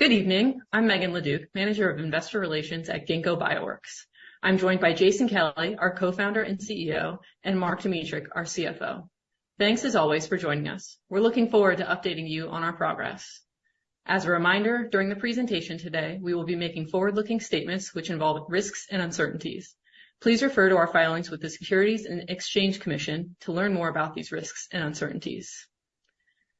Good evening. I'm Megan LeDuc, Manager of Investor Relations at Ginkgo Bioworks. I'm joined by Jason Kelly, our Co-Founder and CEO, and Mark Dmytruk, our CFO. Thanks, as always, for joining us. We're looking forward to updating you on our progress. As a reminder, during the presentation today, we will be making forward-looking statements which involve risks and uncertainties. Please refer to our filings with the Securities and Exchange Commission to learn more about these risks and uncertainties.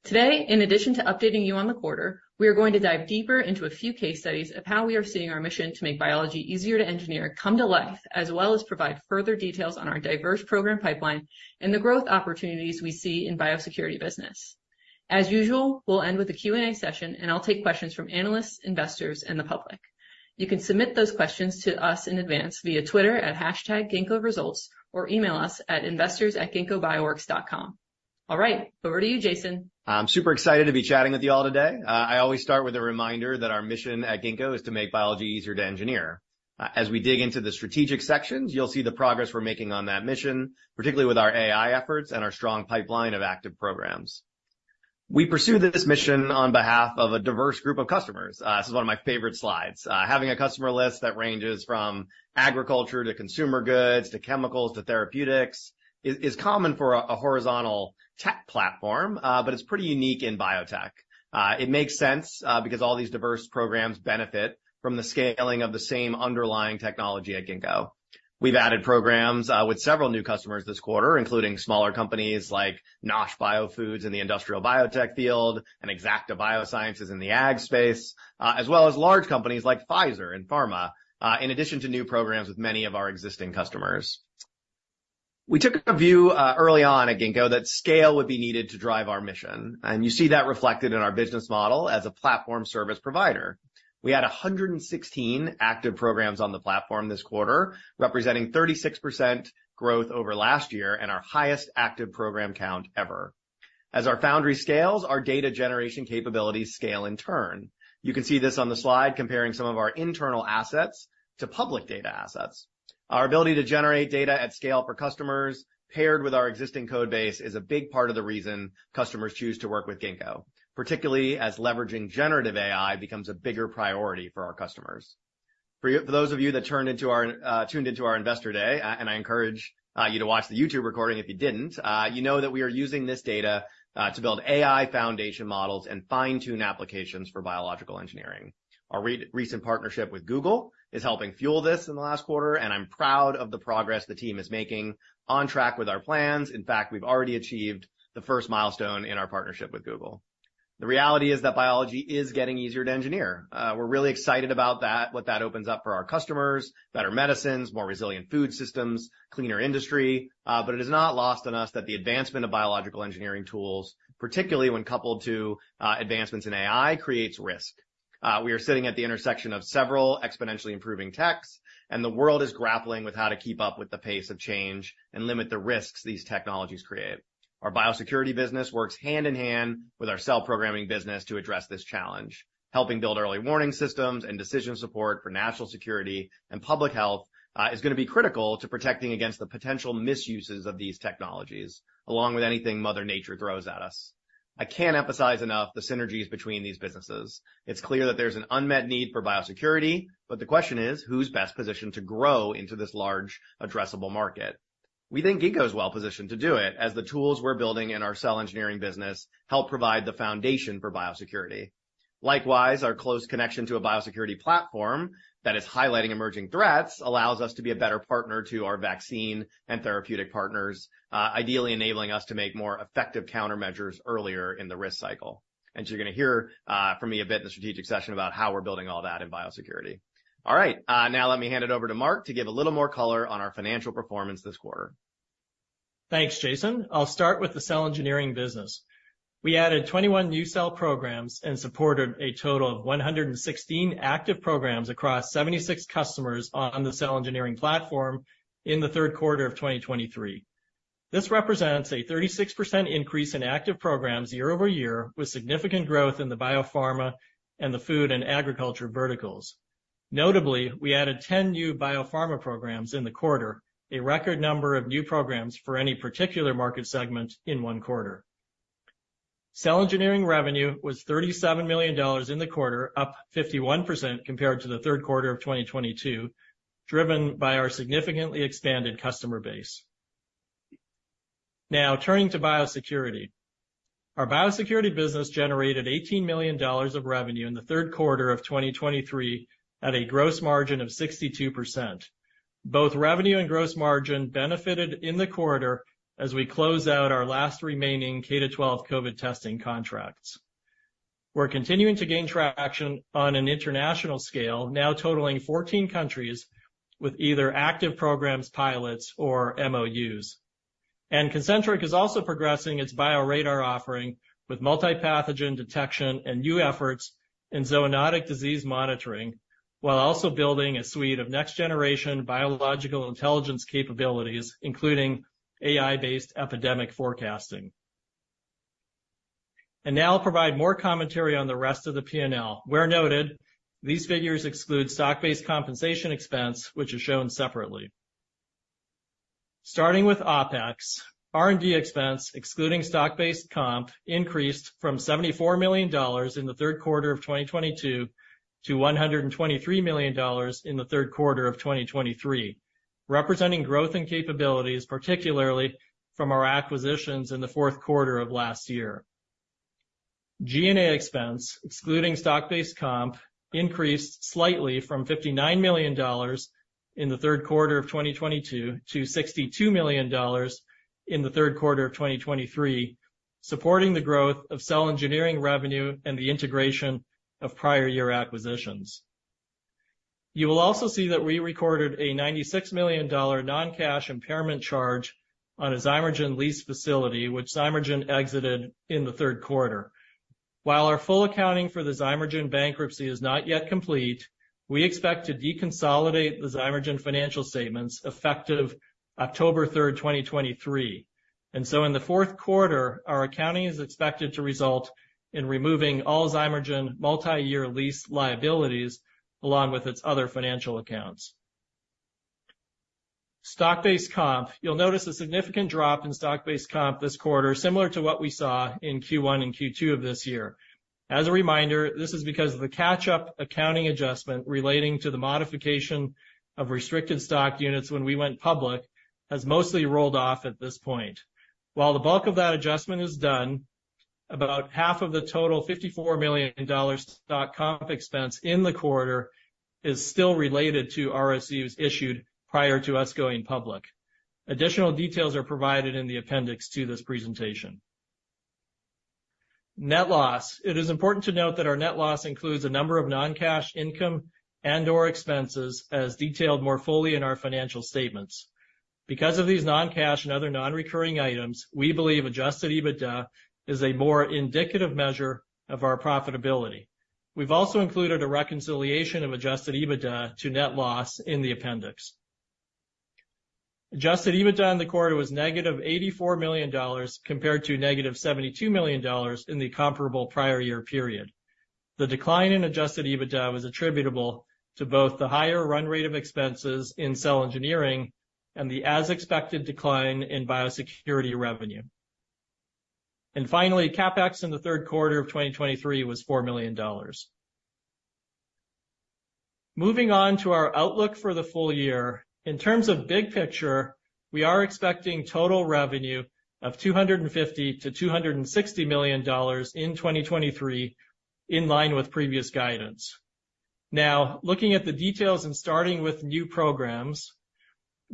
Today, in addition to updating you on the quarter, we are going to dive deeper into a few case studies of how we are seeing our mission to make biology easier to engineer come to life, as well as provide further details on our diverse program pipeline and the growth opportunities we see in biosecurity business. As usual, we'll end with a Q&A session, and I'll take questions from analysts, investors, and the public. You can submit those questions to us in advance via Twitter at #GinkgoResults or email us at investors@ginkgobioworks.com. All right, over to you, Jason. I'm super excited to be chatting with you all today. I always start with a reminder that our mission at Ginkgo is to make biology easier to engineer. As we dig into the strategic sections, you'll see the progress we're making on that mission, particularly with our AI efforts and our strong pipeline of active programs. We pursue this mission on behalf of a diverse group of customers. This is one of my favorite slides. Having a customer list that ranges from agriculture, to consumer goods, to chemicals, to therapeutics is common for a horizontal tech platform, but it's pretty unique in biotech. It makes sense, because all these diverse programs benefit from the scaling of the same underlying technology at Ginkgo. We've added programs with several new customers this quarter, including smaller companies like Nosh Biofoods in the industrial biotech field and Exacta Biosciences in the ag space, as well as large companies like Pfizer in pharma, in addition to new programs with many of our existing customers. We took a view early on at Ginkgo that scale would be needed to drive our mission, and you see that reflected in our business model as a platform service provider. We had 116 active programs on the platform this quarter, representing 36% growth over last year and our highest active program count ever. As our foundry scales, our data generation capabilities scale in turn. You can see this on the slide, comparing some of our internal assets to public data assets. Our ability to generate data at scale for customers, paired with our existing Codebase, is a big part of the reason customers choose to work with Ginkgo, particularly as leveraging generative AI becomes a bigger priority for our customers. For those of you that tuned into our Investor Day, and I encourage you to watch the YouTube recording if you didn't, you know that we are using this data to build AI foundation models and fine-tune applications for biological engineering. Our recent partnership with Google is helping fuel this in the last quarter, and I'm proud of the progress the team is making on track with our plans. In fact, we've already achieved the first milestone in our partnership with Google. The reality is that biology is getting easier to engineer. We're really excited about that, what that opens up for our customers: better medicines, more resilient food systems, cleaner industry. But it is not lost on us that the advancement of biological engineering tools, particularly when coupled to, advancements in AI, creates risk. We are sitting at the intersection of several exponentially improving techs, and the world is grappling with how to keep up with the pace of change and limit the risks these technologies create. Our biosecurity business works hand-in-hand with our cell programming business to address this challenge, helping build early warning systems and decision support for national security, and public health is gonna be critical to protecting against the potential misuses of these technologies, along with anything Mother Nature throws at us. I can't emphasize enough the synergies between these businesses. It's clear that there's an unmet need for biosecurity, but the question is, who's best positioned to grow into this large addressable market? We think Ginkgo is well positioned to do it, as the tools we're building in our cell engineering business help provide the foundation for biosecurity. Likewise, our close connection to a biosecurity platform that is highlighting emerging threats allows us to be a better partner to our vaccine and therapeutic partners, ideally enabling us to make more effective countermeasures earlier in the risk cycle. And you're gonna hear from me a bit in the strategic session about how we're building all that in biosecurity. All right, now let me hand it over to Mark to give a little more color on our financial performance this quarter. Thanks, Jason. I'll start with the cell engineering business. We added 21 new cell programs and supported a total of 116 active programs across 76 customers on the cell engineering platform in the third quarter of 2023. This represents a 36% increase in active programs year-over-year, with significant growth in the biopharma and the food and agriculture verticals. Notably, we added 10 new biopharma programs in the quarter, a record number of new programs for any particular market segment in one quarter. Cell engineering revenue was $37 million in the quarter, up 51% compared to the third quarter of 2022, driven by our significantly expanded customer base. Now, turning to biosecurity. Our biosecurity business generated $18 million of revenue in the third quarter of 2023, at a gross margin of 62%. Both revenue and gross margin benefited in the quarter as we close out our last remaining K-12 COVID testing contracts. We're continuing to gain traction on an international scale, now totaling 14 countries with either active programs, pilots, or MOUs. Concentric is also progressing its BioRadar offering with multipathogen detection and new efforts in zoonotic disease monitoring, while also building a suite of next-generation biological intelligence capabilities, including AI-based epidemic forecasting. Now I'll provide more commentary on the rest of the P&L. Where noted, these figures exclude stock-based compensation expense, which is shown separately. Starting with OpEx, R&D expense, excluding stock-based comp, increased from $74 million in the third quarter of 2022 to $123 million in the third quarter of 2023, representing growth and capabilities, particularly from our acquisitions in the fourth quarter of last year. G&A expense, excluding stock-based comp, increased slightly from $59 million in the third quarter of 2022 to $62 million in the third quarter of 2023, supporting the growth of cell engineering revenue and the integration of prior year acquisitions. You will also see that we recorded a $96 million non-cash impairment charge on a Zymergen lease facility, which Zymergen exited in the third quarter. While our full accounting for the Zymergen bankruptcy is not yet complete, we expect to deconsolidate the Zymergen financial statements effective October 3, 2023. And so in the fourth quarter, our accounting is expected to result in removing all Zymergen multi-year lease liabilities, along with its other financial accounts. Stock-based comp. You'll notice a significant drop in stock-based comp this quarter, similar to what we saw in Q1 and Q2 of this year. As a reminder, this is because of the catch-up accounting adjustment relating to the modification of restricted stock units when we went public; it has mostly rolled off at this point. While the bulk of that adjustment is done, about half of the total $54 million stock comp expense in the quarter is still related to RSUs issued prior to us going public. Additional details are provided in the appendix to this presentation. Net loss. It is important to note that our net loss includes a number of non-cash income and/or expenses, as detailed more fully in our financial statements. Because of these non-cash and other non-recurring items, we believe Adjusted EBITDA is a more indicative measure of our profitability. We've also included a reconciliation of Adjusted EBITDA to net loss in the appendix. Adjusted EBITDA in the quarter was -$84 million, compared to -$72 million in the comparable prior year period. The decline in adjusted EBITDA was attributable to both the higher run rate of expenses in cell engineering and the as-expected decline in biosecurity revenue. Finally, CapEx in the third quarter of 2023 was $4 million. Moving on to our outlook for the full year. In terms of big picture, we are expecting total revenue of $250 million-$260 million in 2023, in line with previous guidance. Now, looking at the details and starting with new programs.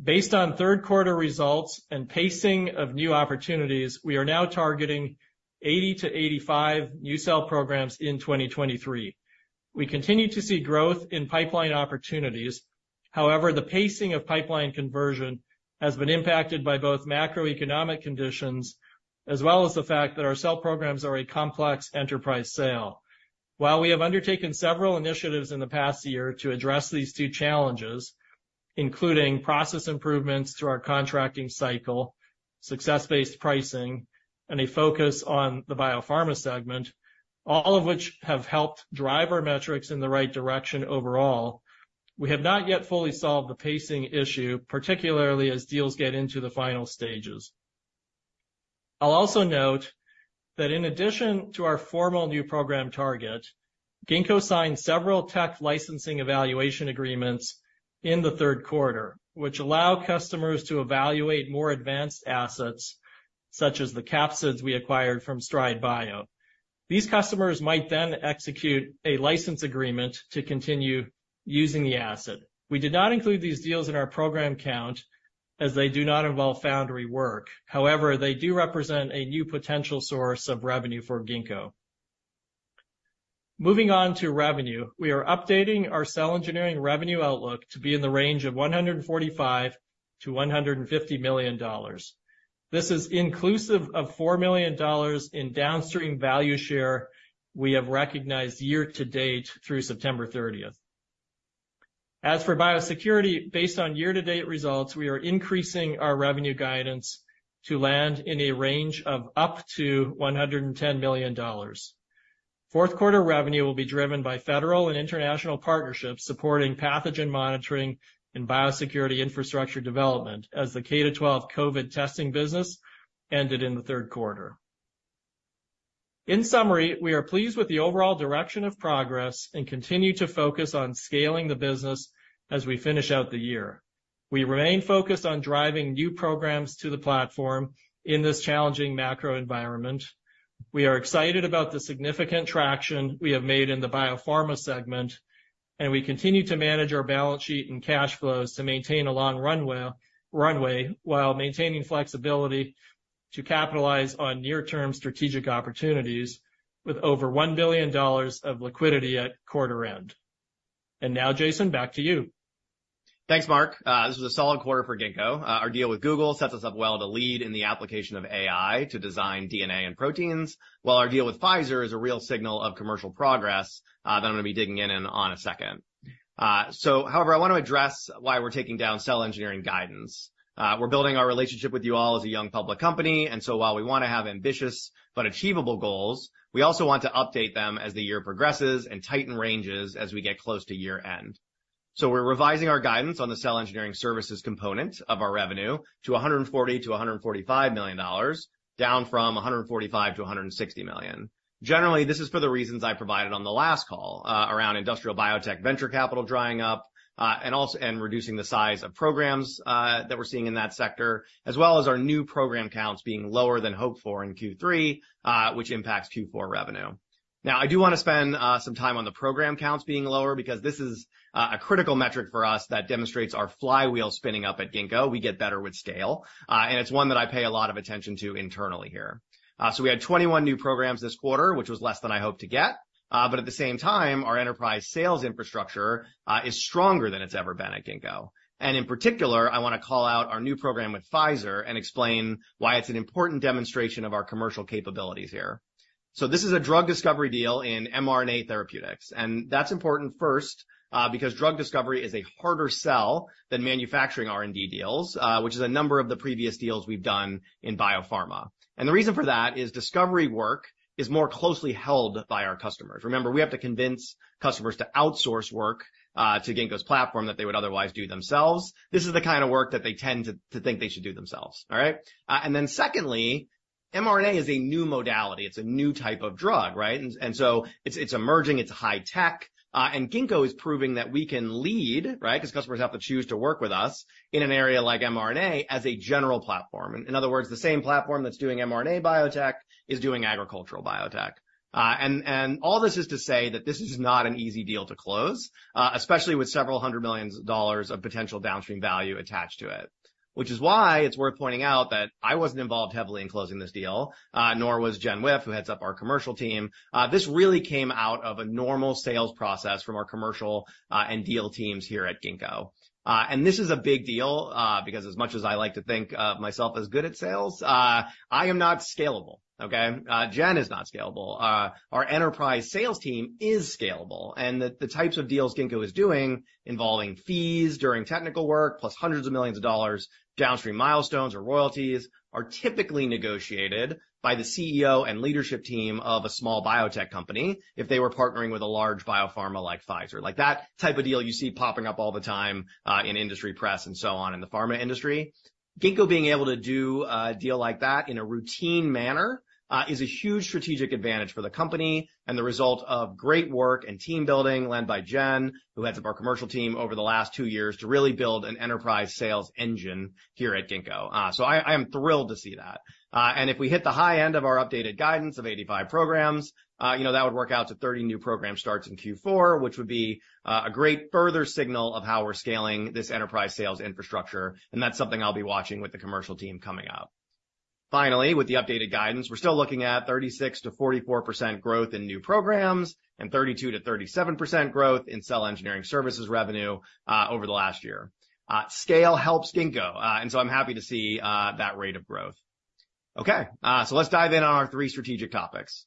Based on third quarter results and pacing of new opportunities, we are now targeting 80-85 new cell programs in 2023. We continue to see growth in pipeline opportunities. However, the pacing of pipeline conversion has been impacted by both macroeconomic conditions as well as the fact that our cell programs are a complex enterprise sale. While we have undertaken several initiatives in the past year to address these two challenges, including process improvements through our contracting cycle, success-based pricing, and a focus on the biopharma segment, all of which have helped drive our metrics in the right direction overall, we have not yet fully solved the pacing issue, particularly as deals get into the final stages. I'll also note that in addition to our formal new program target, Ginkgo signed several tech licensing evaluation agreements in the third quarter, which allow customers to evaluate more advanced assets, such as the capsids we acquired from StrideBio. These customers might then execute a license agreement to continue using the asset. We did not include these deals in our program count as they do not involve foundry work. However, they do represent a new potential source of revenue for Ginkgo. Moving on to revenue, we are updating our cell engineering revenue outlook to be in the range of $145 million-$150 million. This is inclusive of $4 million in downstream value share we have recognized year-to-date through September thirtieth. As for biosecurity, based on year-to-date results, we are increasing our revenue guidance to land in a range of up to $110 million. Fourth quarter revenue will be driven by federal and international partnerships supporting pathogen monitoring and biosecurity infrastructure development as the K to 12 COVID testing business ended in the third quarter. In summary, we are pleased with the overall direction of progress and continue to focus on scaling the business as we finish out the year. We remain focused on driving new programs to the platform in this challenging macro environment. We are excited about the significant traction we have made in the biopharma segment, and we continue to manage our balance sheet and cash flows to maintain a long runway while maintaining flexibility to capitalize on near-term strategic opportunities with over $1 billion of liquidity at quarter end. Now, Jason, back to you. Thanks, Mark. This was a solid quarter for Ginkgo. Our deal with Google sets us up well to lead in the application of AI to design DNA and proteins, while our deal with Pfizer is a real signal of commercial progress that I'm going to be digging in on in a second. So however, I want to address why we're taking down cell engineering guidance. We're building our relationship with you all as a young public company, and so while we want to have ambitious but achievable goals, we also want to update them as the year progresses and tighten ranges as we get close to year-end. So we're revising our guidance on the cell engineering services component of our revenue to $140 million-$145 million, down from $145 million-$160 million. Generally, this is for the reasons I provided on the last call around industrial biotech venture capital drying up and reducing the size of programs that we're seeing in that sector, as well as our new program counts being lower than hoped for in Q3, which impacts Q4 revenue. Now, I do want to spend some time on the program counts being lower because this is a critical metric for us that demonstrates our flywheel spinning up at Ginkgo. We get better with scale, and it's one that I pay a lot of attention to internally here. So we had 21 new programs this quarter, which was less than I hoped to get, but at the same time, our enterprise sales infrastructure is stronger than it's ever been at Ginkgo. In particular, I wanna call out our new program with Pfizer and explain why it's an important demonstration of our commercial capabilities here. So this is a drug discovery deal in mRNA therapeutics, and that's important, first, because drug discovery is a harder sell than manufacturing R&D deals, which is a number of the previous deals we've done in biopharma. And the reason for that is discovery work is more closely held by our customers. Remember, we have to convince customers to outsource work to Ginkgo's platform that they would otherwise do themselves. This is the kind of work that they tend to think they should do themselves. All right? And then secondly, mRNA is a new modality. It's a new type of drug, right? And so it's emerging, it's high tech, and Ginkgo is proving that we can lead, right? Because customers have to choose to work with us in an area like mRNA as a general platform. In other words, the same platform that's doing mRNA biotech is doing agricultural biotech. All this is to say that this is not an easy deal to close, especially with several hundred million dollars of potential downstream value attached to it. Which is why it's worth pointing out that I wasn't involved heavily in closing this deal, nor was Jen Wipf, who heads up our commercial team. This really came out of a normal sales process from our commercial and deal teams here at Ginkgo. And this is a big deal, because as much as I like to think of myself as good at sales, I am not scalable, okay? Jen is not scalable. Our enterprise sales team is scalable, and the types of deals Ginkgo is doing, involving fees during technical work, plus $hundreds of millions downstream milestones or royalties, are typically negotiated by the CEO and leadership team of a small biotech company if they were partnering with a large biopharma like Pfizer. Like, that type of deal you see popping up all the time, in industry press and so on in the pharma industry. Ginkgo being able to do a deal like that in a routine manner, is a huge strategic advantage for the company and the result of great work and team building led by Jen, who heads up our commercial team over the last two years, to really build an enterprise sales engine here at Ginkgo. So I am thrilled to see that. And if we hit the high end of our updated guidance of 85 programs, you know, that would work out to 30 new program starts in Q4, which would be a great further signal of how we're scaling this enterprise sales infrastructure, and that's something I'll be watching with the commercial team coming up. Finally, with the updated guidance, we're still looking at 36%-44% growth in new programs and 32%-37% growth in cell engineering services revenue over the last year. Scale helps Ginkgo, and so I'm happy to see that rate of growth. Okay, so let's dive in on our three strategic topics.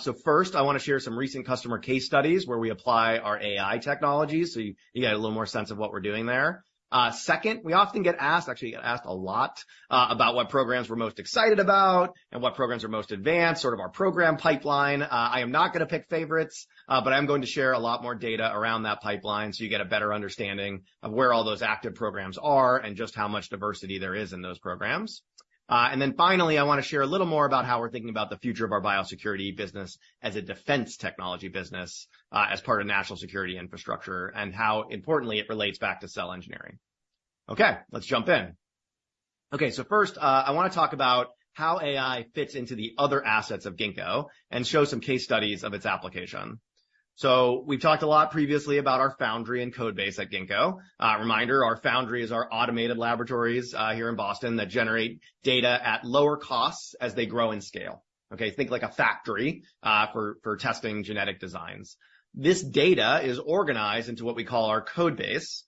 So first, I wanna share some recent customer case studies where we apply our AI technologies, so you get a little more sense of what we're doing there. Second, we often get asked, actually, get asked a lot, about what programs we're most excited about and what programs are most advanced, sort of our program pipeline. I am not gonna pick favorites, but I'm going to share a lot more data around that pipeline so you get a better understanding of where all those active programs are and just how much diversity there is in those programs. And then finally, I wanna share a little more about how we're thinking about the future of our biosecurity business as a defense technology business, as part of national security infrastructure, and how importantly it relates back to cell engineering. Okay, let's jump in. Okay, so first, I wanna talk about how AI fits into the other assets of Ginkgo and show some case studies of its application. So we've talked a lot previously about our Foundry and Codebase at Ginkgo. Reminder, our Foundry is our automated laboratories here in Boston that generate data at lower costs as they grow in scale, okay? Think like a factory for testing genetic designs. This data is organized into what we call our Codebase,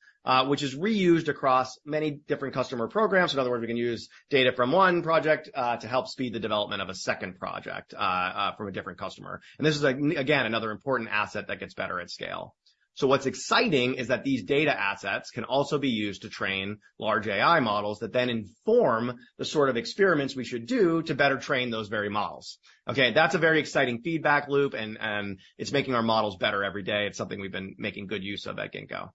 which is reused across many different customer programs. In other words, we can use data from one project to help speed the development of a second project from a different customer. And this is, again, another important asset that gets better at scale. So what's exciting is that these data assets can also be used to train large AI models that then inform the sort of experiments we should do to better train those very models. Okay, that's a very exciting feedback loop, and it's making our models better every day. It's something we've been making good use of at Ginkgo.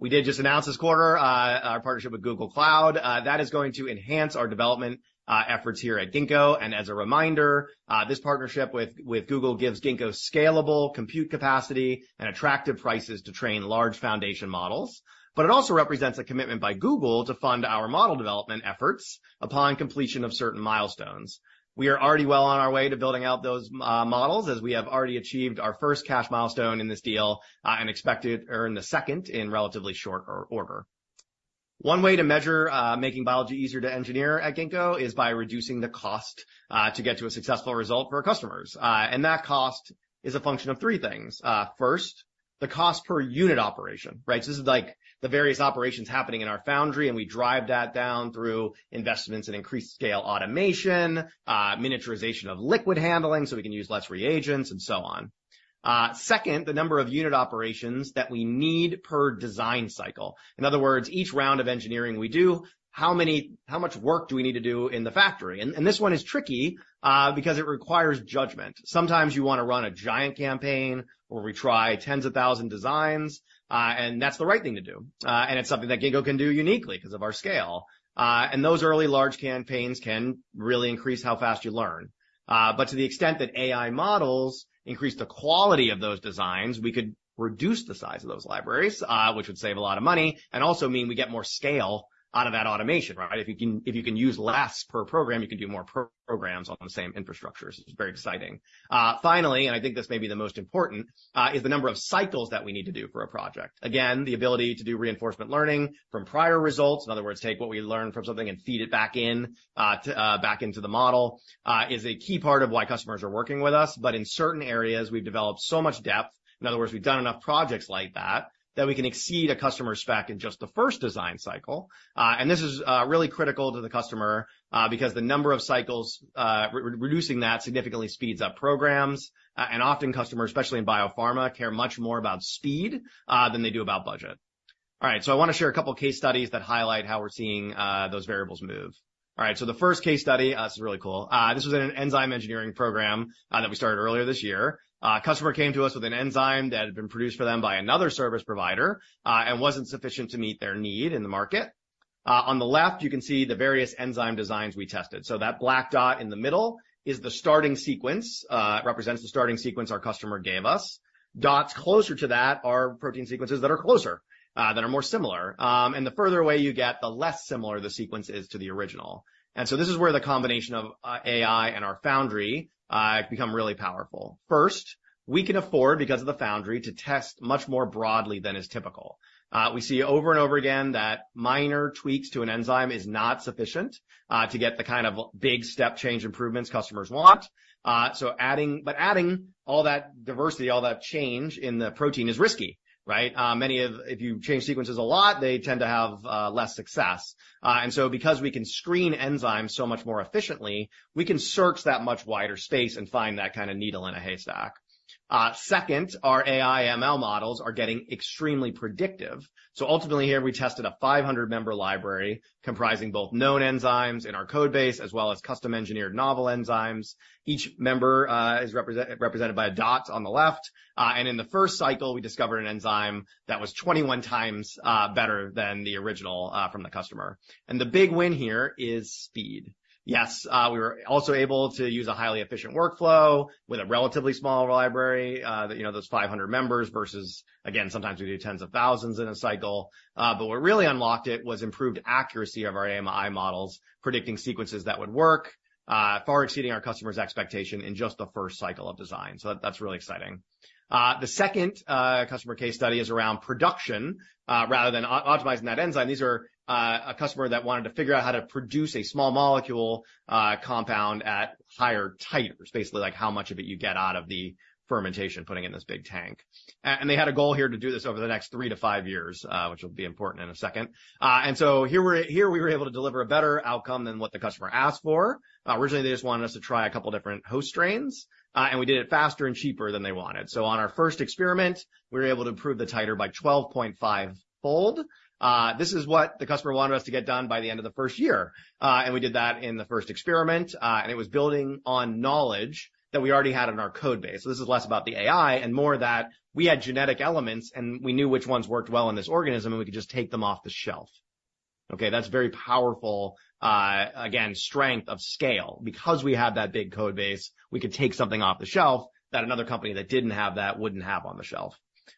We did just announce this quarter our partnership with Google Cloud. That is going to enhance our development efforts here at Ginkgo. And as a reminder, this partnership with Google gives Ginkgo scalable compute capacity and attractive prices to train large foundation models. But it also represents a commitment by Google to fund our model development efforts upon completion of certain milestones. We are already well on our way to building out those models, as we have already achieved our first cash milestone in this deal, and expected to earn the second in relatively short order. One way to measure making biology easier to engineer at Ginkgo is by reducing the cost to get to a successful result for our customers. And that cost is a function of three things. First, the cost per unit operation, right? So this is like the various operations happening in our foundry, and we drive that down through investments in increased scale automation, miniaturization of liquid handling, so we can use less reagents, and so on. Second, the number of unit operations that we need per design cycle. In other words, each round of engineering we do, how much work do we need to do in the factory? And this one is tricky, because it requires judgment. Sometimes you wanna run a giant campaign where we try tens of thousands of designs, and that's the right thing to do. And it's something that Ginkgo can do uniquely because of our scale. And those early large campaigns can really increase how fast you learn. But to the extent that AI models increase the quality of those designs, we could reduce the size of those libraries, which would save a lot of money, and also mean we get more scale out of that automation, right? If you can use less per program, you can do more programs on the same infrastructure. So it's very exciting. Finally, and I think this may be the most important, is the number of cycles that we need to do for a project. Again, the ability to do reinforcement learning from prior results, in other words, take what we learned from something and feed it back into the model is a key part of why customers are working with us. But in certain areas, we've developed so much depth, in other words, we've done enough projects like that, that we can exceed a customer's spec in just the first design cycle. And this is really critical to the customer because the number of cycles, reducing that significantly speeds up programs. And often customers, especially in biopharma, care much more about speed than they do about budget. All right, so I wanna share a couple of case studies that highlight how we're seeing those variables move. All right, so the first case study, this is really cool. This was an enzyme engineering program, that we started earlier this year. A customer came to us with an enzyme that had been produced for them by another service provider, and wasn't sufficient to meet their need in the market. On the left, you can see the various enzyme designs we tested. So that black dot in the middle is the starting sequence, represents the starting sequence our customer gave us. Dots closer to that are protein sequences that are closer, that are more similar. And the further away you get, the less similar the sequence is to the original. And so this is where the combination of, AI and our Foundry, become really powerful. First, we can afford, because of the Foundry, to test much more broadly than is typical. We see over and over again that minor tweaks to an enzyme is not sufficient to get the kind of big step change improvements customers want. So adding but adding all that diversity, all that change in the protein is risky, right? If you change sequences a lot, they tend to have less success. And so because we can screen enzymes so much more efficiently, we can search that much wider space and find that kind of needle in a haystack. Second, our AI ML models are getting extremely predictive. So ultimately, here we tested a 500-member library comprising both known enzymes in our code base, as well as custom-engineered novel enzymes. Each member is represented by a dot on the left. And in the first cycle, we discovered an enzyme that was 21 times better than the original from the customer. And the big win here is speed. Yes, we were also able to use a highly efficient workflow with a relatively small library, you know, those 500 members versus, again, sometimes we do tens of thousands in a cycle. But what really unlocked it was improved accuracy of our AI models, predicting sequences that would work, far exceeding our customer's expectation in just the first cycle of design. So that's really exciting. The second customer case study is around production rather than optimizing that enzyme. These are a customer that wanted to figure out how to produce a small molecule compound at higher titers, basically, like how much of it you get out of the fermentation, putting in this big tank. They had a goal here to do this over the next three-five years, which will be important in a second. And so here we were able to deliver a better outcome than what the customer asked for. Originally, they just wanted us to try a couple different host strains, and we did it faster and cheaper than they wanted. So on our first experiment, we were able to improve the titer by 12.5-fold. This is what the customer wanted us to get done by the end of the first year. And we did that in the first experiment, and it was building on knowledge that we already had in our code base. So this is less about the AI and more that we had genetic elements, and we knew which ones worked well in this organism, and we could just take them off the shelf. Okay, that's very powerful, again, strength of scale. Because we have that big code base, we could take something off the shelf that another company that didn't have that wouldn't have on the shelf.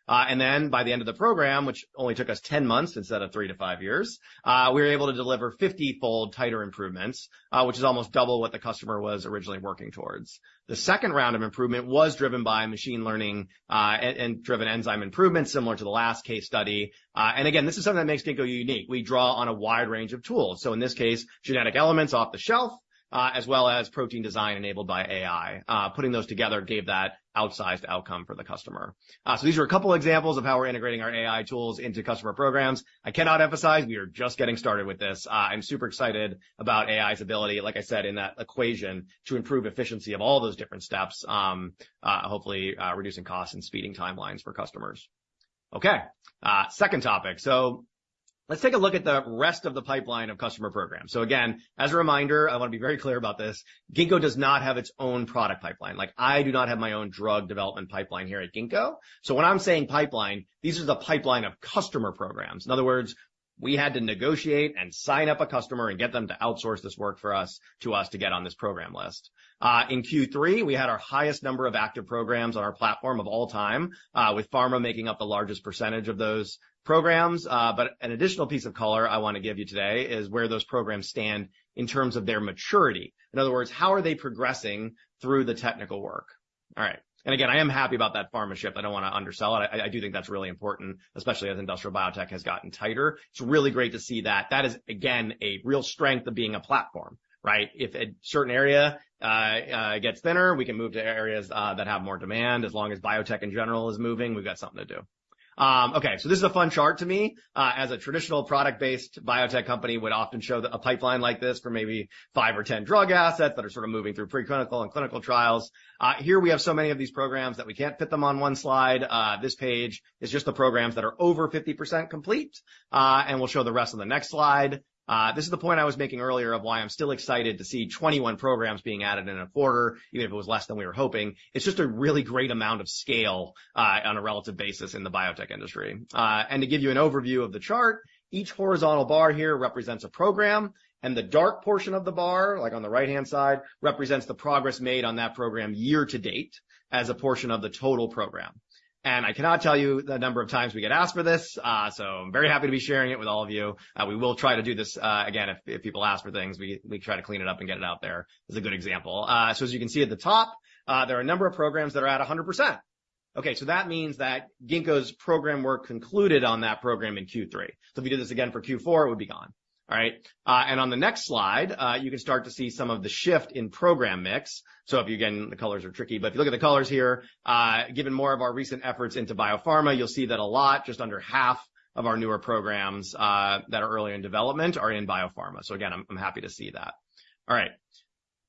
And then by the end of the program, which only took us 10 months instead of 3-5 years, we were able to deliver 50-fold tighter improvements, which is almost double what the customer was originally working towards. The second round of improvement was driven by machine learning, and driven enzyme improvements, similar to the last case study. And again, this is something that makes Ginkgo unique. We draw on a wide range of tools. So in this case, genetic elements off the shelf, as well as protein design enabled by AI. Putting those together gave that outsized outcome for the customer. So these are a couple examples of how we're integrating our AI tools into customer programs. I cannot emphasize, we are just getting started with this. I'm super excited about AI's ability, like I said, in that equation, to improve efficiency of all those different steps, hopefully, reducing costs and speeding timelines for customers. Okay, second topic. So let's take a look at the rest of the pipeline of customer programs. So again, as a reminder, I wanna be very clear about this, Ginkgo does not have its own product pipeline. Like, I do not have my own drug development pipeline here at Ginkgo. So when I'm saying pipeline, this is a pipeline of customer programs. In other words, we had to negotiate and sign up a customer and get them to outsource this work for us, to us to get on this program list. In Q3, we had our highest number of active programs on our platform of all time, with pharma making up the largest percentage of those programs. But an additional piece of color I wanna give you today is where those programs stand in terms of their maturity. In other words, how are they progressing through the technical work? All right. And again, I am happy about that pharma ship. I don't wanna undersell it. I, I do think that's really important, especially as industrial biotech has gotten tighter. It's really great to see that. That is, again, a real strength of being a platform, right? If a certain area gets thinner, we can move to areas that have more demand. As long as biotech in general is moving, we've got something to do. Okay, so this is a fun chart to me. As a traditional product-based biotech company would often show that a pipeline like this for maybe five or ten drug assets that are sort of moving through preclinical and clinical trials. Here we have so many of these programs that we can't fit them on one slide. This page is just the programs that are over 50% complete, and we'll show the rest on the next slide. This is the point I was making earlier of why I'm still excited to see 21 programs being added in a quarter, even if it was less than we were hoping. It's just a really great amount of scale, on a relative basis in the biotech industry. To give you an overview of the chart, each horizontal bar here represents a program, and the dark portion of the bar, like on the right-hand side, represents the progress made on that program year to date as a portion of the total program. I cannot tell you the number of times we get asked for this, so I'm very happy to be sharing it with all of you. We will try to do this again if people ask for things. We try to clean it up and get it out there as a good example. So as you can see at the top, there are a number of programs that are at 100%. Okay, so that means that Ginkgo's program work concluded on that program in Q3. So if we do this again for Q4, it would be gone. All right? And on the next slide, you can start to see some of the shift in program mix. So, again, the colors are tricky, but if you look at the colors here, given more of our recent efforts into biopharma, you'll see that a lot, just under half of our newer programs that are early in development are in biopharma. So again, I'm happy to see that. All right.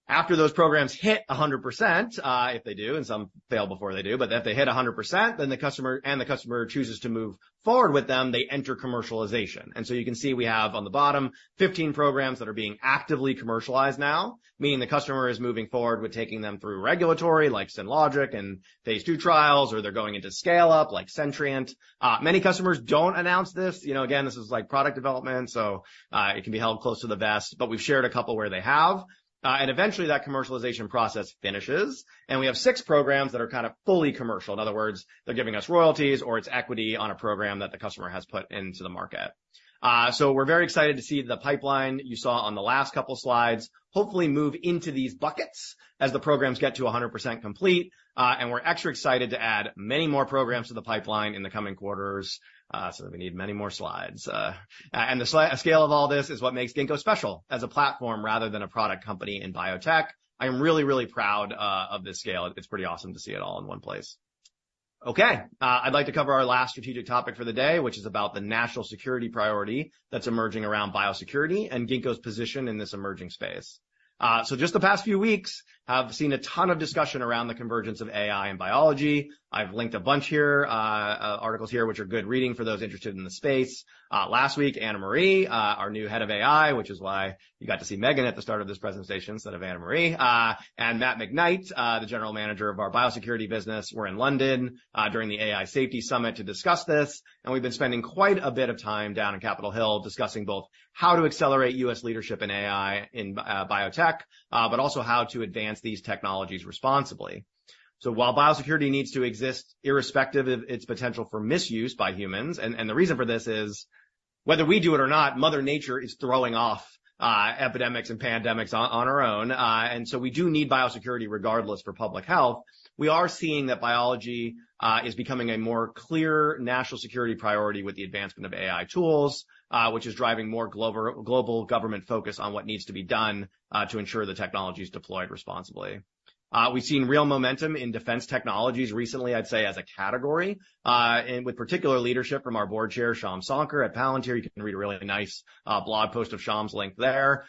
After those programs hit 100%, if they do, and some fail before they do, but if they hit 100%, then the customer, and the customer chooses to move forward with them, they enter commercialization. And so you can see we have on the bottom, 15 programs that are being actively commercialized now, meaning the customer is moving forward with taking them through regulatory, like Synlogic, and Phase II trials, or they're going into scale up, like Centrient. Many customers don't announce this. You know, again, this is like product development, so it can be held close to the vest, but we've shared a couple where they have. And eventually, that commercialization process finishes, and we have six programs that are kind of fully commercial. In other words, they're giving us royalties or it's equity on a program that the customer has put into the market. So we're very excited to see the pipeline you saw on the last couple of slides, hopefully move into these buckets as the programs get to 100% complete. And we're extra excited to add many more programs to the pipeline in the coming quarters, so that we need many more slides. And the scale of all this is what makes Ginkgo special as a platform rather than a product company in biotech. I'm really, really proud of this scale. It's pretty awesome to see it all in one place. Okay, I'd like to cover our last strategic topic for the day, which is about the national security priority that's emerging around biosecurity and Ginkgo's position in this emerging space. Just the past few weeks, I've seen a ton of discussion around the convergence of AI and biology. I've linked a bunch here, articles here, which are good reading for those interested in the space. Last week, Anna Marie, our new head of AI, which is why you got to see Megan at the start of this presentation instead of Anna Marie, and Matt McKnight, the general manager of our biosecurity business, were in London during the AI Safety Summit to discuss this. We've been spending quite a bit of time down in Capitol Hill discussing both how to accelerate U.S. leadership in AI, in biotech, but also how to advance these technologies responsibly. So while biosecurity needs to exist irrespective of its potential for misuse by humans, and the reason for this is whether we do it or not, Mother Nature is throwing off epidemics and pandemics on our own. And so we do need biosecurity regardless for public health. We are seeing that biology is becoming a more clear national security priority with the advancement of AI tools, which is driving more global government focus on what needs to be done to ensure the technology is deployed responsibly. We've seen real momentum in defense technologies recently, I'd say, as a category, and with particular leadership from our board chair, Shyam Sankar at Palantir. You can read a really nice blog post of Shyam's. Link there.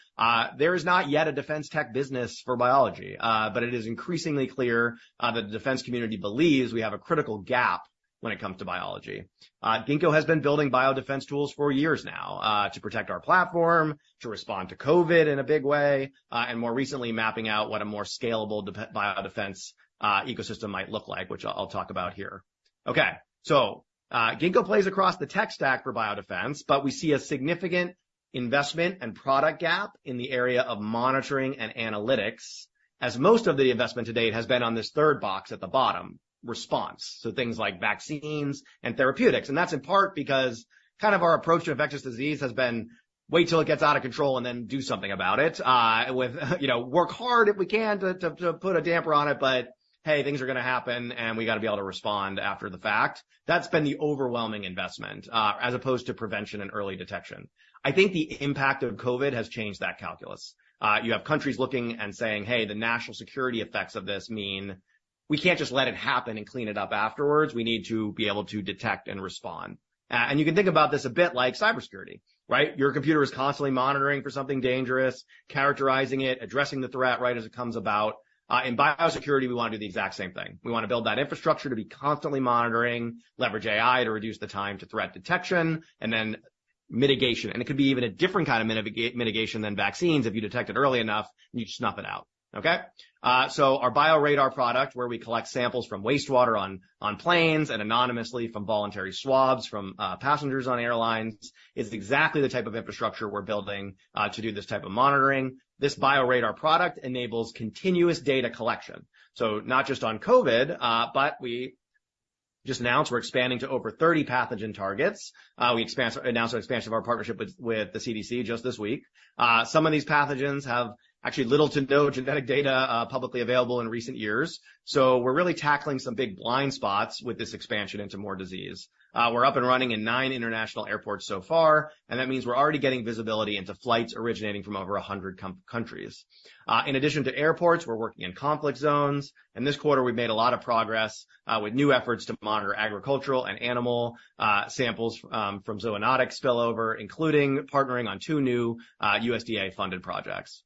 There is not yet a defense tech business for biology, but it is increasingly clear that the defense community believes we have a critical gap when it comes to biology. Ginkgo has been building biodefense tools for years now to protect our platform, to respond to COVID in a big way, and more recently, mapping out what a more scalable biodefense ecosystem might look like, which I'll talk about here. Okay, so, Ginkgo plays across the tech stack for biodefense, but we see a significant investment and product gap in the area of monitoring and analytics, as most of the investment to date has been on this third box at the bottom, response, so things like vaccines and therapeutics. And that's in part because kind of our approach to infectious disease has been: wait till it gets out of control and then do something about it. With, you know, work hard if we can to put a damper on it, but hey, things are gonna happen, and we got to be able to respond after the fact. That's been the overwhelming investment, as opposed to prevention and early detection. I think the impact of COVID has changed that calculus. You have countries looking and saying, "Hey, the national security effects of this mean we can't just let it happen and clean it up afterwards. We need to be able to detect and respond." And you can think about this a bit like cybersecurity, right? Your computer is constantly monitoring for something dangerous, characterizing it, addressing the threat, right, as it comes about. In biosecurity, we want to do the exact same thing. We want to build that infrastructure to be constantly monitoring, leverage AI to reduce the time to threat detection, and then mitigation. And it could be even a different kind of mitigation than vaccines. If you detect it early enough, you just snuff it out, okay? So our BioRadar product, where we collect samples from wastewater on planes and anonymously from voluntary swabs from passengers on airlines, is exactly the type of infrastructure we're building to do this type of monitoring. This BioRadar product enables continuous data collection. So not just on COVID, but we just announced we're expanding to over 30 pathogen targets. We announced our expansion of our partnership with the CDC just this week. Some of these pathogens have actually little to no genetic data, publicly available in recent years. So we're really tackling some big blind spots with this expansion into more disease. We're up and running in 9 international airports so far, and that means we're already getting visibility into flights originating from over 100 countries. In addition to airports, we're working in conflict zones, and this quarter, we've made a lot of progress with new efforts to monitor agricultural and animal samples from zoonotic spillover, including partnering on 2 new USDA-funded projects.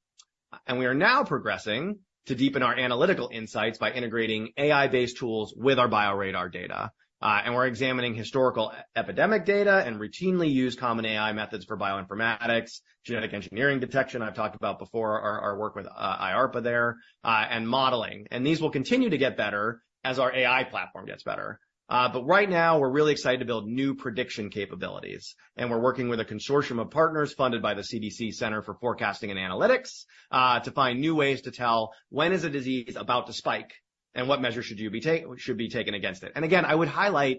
We are now progressing to deepen our analytical insights by integrating AI-based tools with our BioRadar data. We're examining historical epidemic data and routinely use common AI methods for bioinformatics, genetic engineering detection, I've talked about before, our work with IARPA there, and modeling. And these will continue to get better as our AI platform gets better. But right now, we're really excited to build new prediction capabilities, and we're working with a consortium of partners funded by the CDC Center for Forecasting and Analytics, to find new ways to tell when is a disease about to spike, and what measures should be taken against it. And again, I would highlight,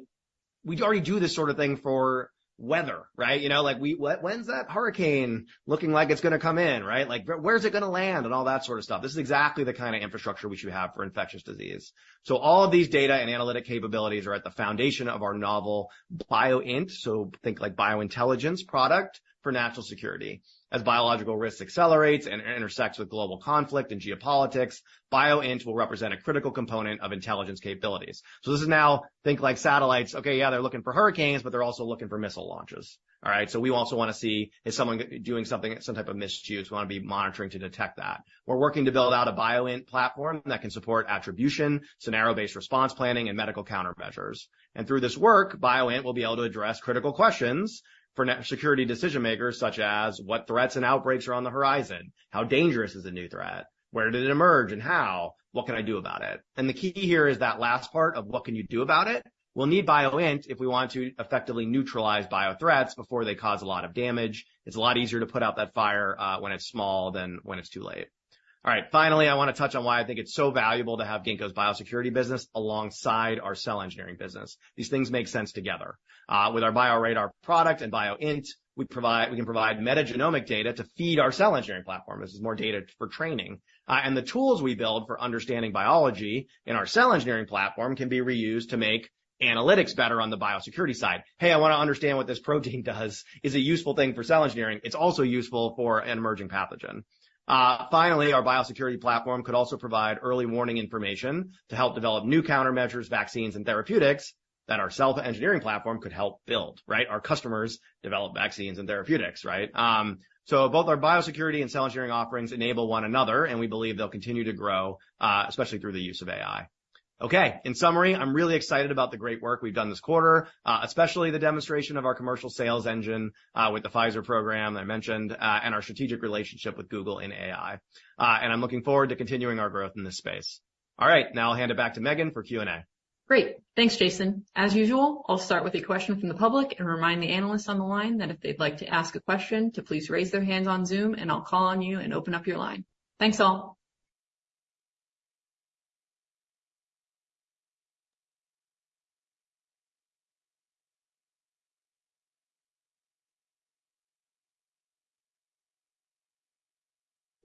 we already do this sort of thing for weather, right? You know, like, we, "When's that hurricane looking like it's gonna come in?" Right? Like, "Where is it gonna land?" And all that sort of stuff. This is exactly the kind of infrastructure we should have for infectious disease. So all of these data and analytic capabilities are at the foundation of our novel BioInt, so think like biointelligence product for national security. As biological risk accelerates and intersects with global conflict and geopolitics, BioInt will represent a critical component of intelligence capabilities. So this is now, think like satellites. Okay, yeah, they're looking for hurricanes, but they're also looking for missile launches. All right? So we also want to see, is someone doing something, some type of misuse? We want to be monitoring to detect that. We're working to build out a BioInt platform that can support attribution, scenario-based response planning, and medical countermeasures. And through this work, BioInt will be able to address critical questions for security decision-makers, such as: What threats and outbreaks are on the horizon? How dangerous is a new threat? Where did it emerge, and how? What can I do about it? And the key here is that last part of what can you do about it. We'll need BioInt if we want to effectively neutralize biothreats before they cause a lot of damage. It's a lot easier to put out that fire when it's small than when it's too late. All right, finally, I want to touch on why I think it's so valuable to have Ginkgo's biosecurity business alongside our cell engineering business. These things make sense together. With our BioRadar product and BioInt, we provide- we can provide metagenomic data to feed our cell engineering platform. This is more data for training. And the tools we build for understanding biology in our cell engineering platform can be reused to make analytics better on the biosecurity side. "Hey, I want to understand what this protein does," is a useful thing for cell engineering. It's also useful for an emerging pathogen. Finally, our biosecurity platform could also provide early warning information to help develop new countermeasures, vaccines, and therapeutics that our cell engineering platform could help build, right? Our customers develop vaccines and therapeutics, right? So both our biosecurity and cell engineering offerings enable one another, and we believe they'll continue to grow, especially through the use of AI. Okay, in summary, I'm really excited about the great work we've done this quarter, especially the demonstration of our commercial sales engine, with the Pfizer program I mentioned, and our strategic relationship with Google in AI. And I'm looking forward to continuing our growth in this space. All right, now I'll hand it back to Megan for Q&A. Great. Thanks, Jason. As usual, I'll start with a question from the public and remind the analysts on the line that if they'd like to ask a question, to please raise their hands on Zoom, and I'll call on you and open up your line. Thanks, all.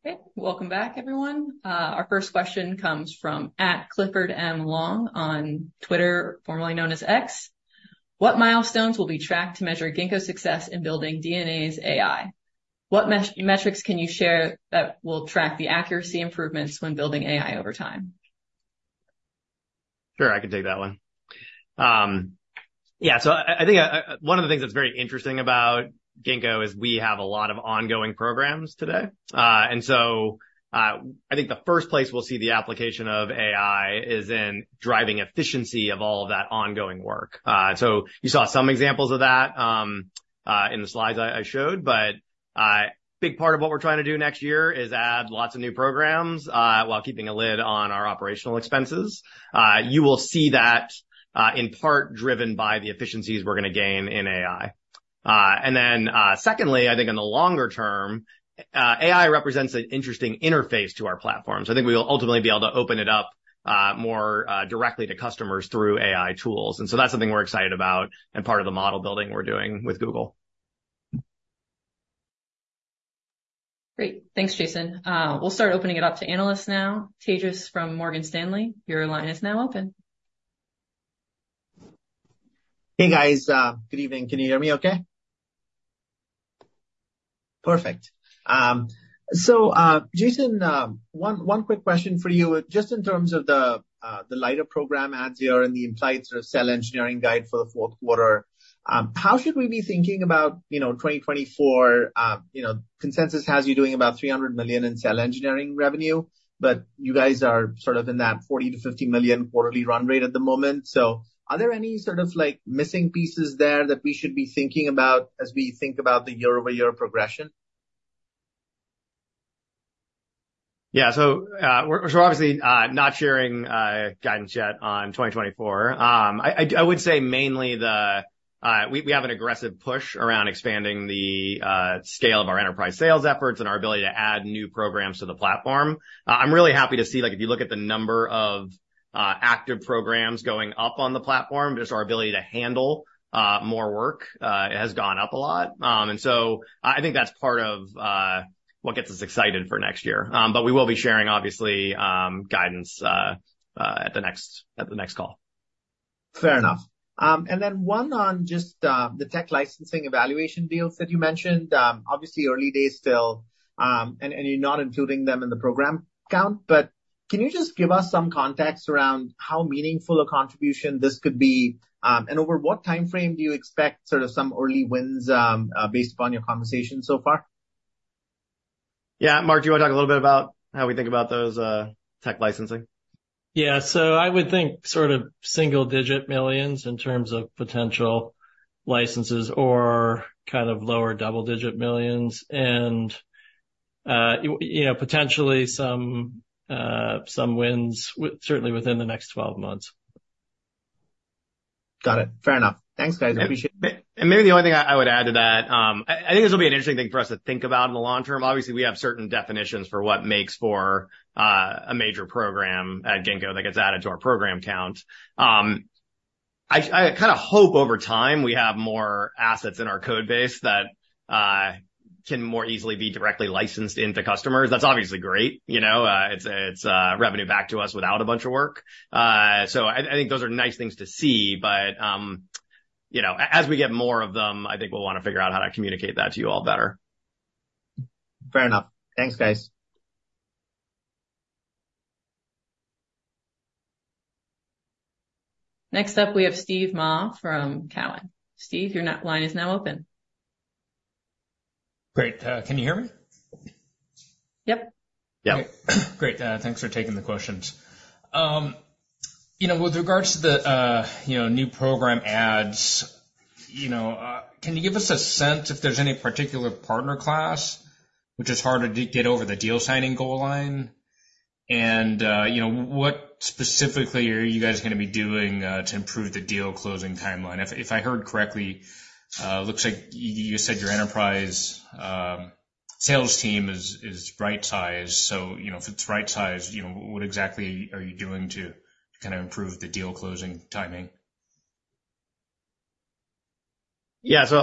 Okay, welcome back, everyone. Our first question comes from @CliffordMLong on Twitter, formerly known as X. What milestones will be tracked to measure Ginkgo's success in building DNA's AI? What metrics can you share that will track the accuracy improvements when building AI over time? Sure, I can take that one. Yeah, so I think one of the things that's very interesting about Ginkgo is we have a lot of ongoing programs today. I think the first place we'll see the application of AI is in driving efficiency of all of that ongoing work. So you saw some examples of that in the slides I showed, but a big part of what we're trying to do next year is add lots of new programs while keeping a lid on our operational expenses. You will see that in part driven by the efficiencies we're going to gain in AI. And then, secondly, I think in the longer term AI represents an interesting interface to our platforms. I think we will ultimately be able to open it up more directly to customers through AI tools, and so that's something we're excited about and part of the model building we're doing with Google. Great. Thanks, Jason. We'll start opening it up to analysts now. Tejas from Morgan Stanley, your line is now open. Hey, guys. Good evening. Can you hear me okay? Perfect. So, Jason, one quick question for you. Just in terms of the R&D program adds here and the implied sort of cell engineering guidance for the fourth quarter, how should we be thinking about, you know, 2024? You know, consensus has you doing about $300 million in cell engineering revenue, but you guys are sort of in that $40 million-$50 million quarterly run rate at the moment. So are there any sort of, like, missing pieces there that we should be thinking about as we think about the year-over-year progression? Yeah. So, we're obviously not sharing guidance yet on 2024. I would say mainly we have an aggressive push around expanding the scale of our enterprise sales efforts and our ability to add new programs to the platform. I'm really happy to see, like, if you look at the number of active programs going up on the platform, just our ability to handle more work has gone up a lot. And so I think that's part of what gets us excited for next year. But we will be sharing, obviously, guidance at the next call. Fair enough. And then one on just the tech licensing evaluation deals that you mentioned. Obviously, early days still, and you're not including them in the program count, but— Can you just give us some context around how meaningful a contribution this could be? And over what time frame do you expect sort of some early wins, based upon your conversations so far? Yeah, Mark, do you want to talk a little bit about how we think about those, tech licensing? Yeah. So I would think sort of $1-$9 million in terms of potential licenses or kind of $10-$19 million and, you know, potentially some wins certainly within the next 12 months. Got it. Fair enough. Thanks, guys. I appreciate it. And maybe the only thing I would add to that, I think this will be an interesting thing for us to think about in the long term. Obviously, we have certain definitions for what makes for a major program at Ginkgo that gets added to our program count. I kind of hope over time, we have more assets in our code base that can more easily be directly licensed into customers. That's obviously great. You know, it's revenue back to us without a bunch of work. So I think those are nice things to see, but you know, as we get more of them, I think we'll want to figure out how to communicate that to you all better. Fair enough. Thanks, guys. Next up, we have Steve Mah from Cowen. Steve, your line is now open. Great. Can you hear me? Yep. Yep. Great, thanks for taking the questions. You know, with regards to the new program adds, you know, can you give us a sense if there's any particular partner class which is harder to get over the deal signing goal line? And, you know, what specifically are you guys gonna be doing to improve the deal closing timeline? If I heard correctly, looks like you said your enterprise sales team is right-sized. So, you know, if it's right-sized, you know, what exactly are you doing to kind of improve the deal closing timing? Yeah. So,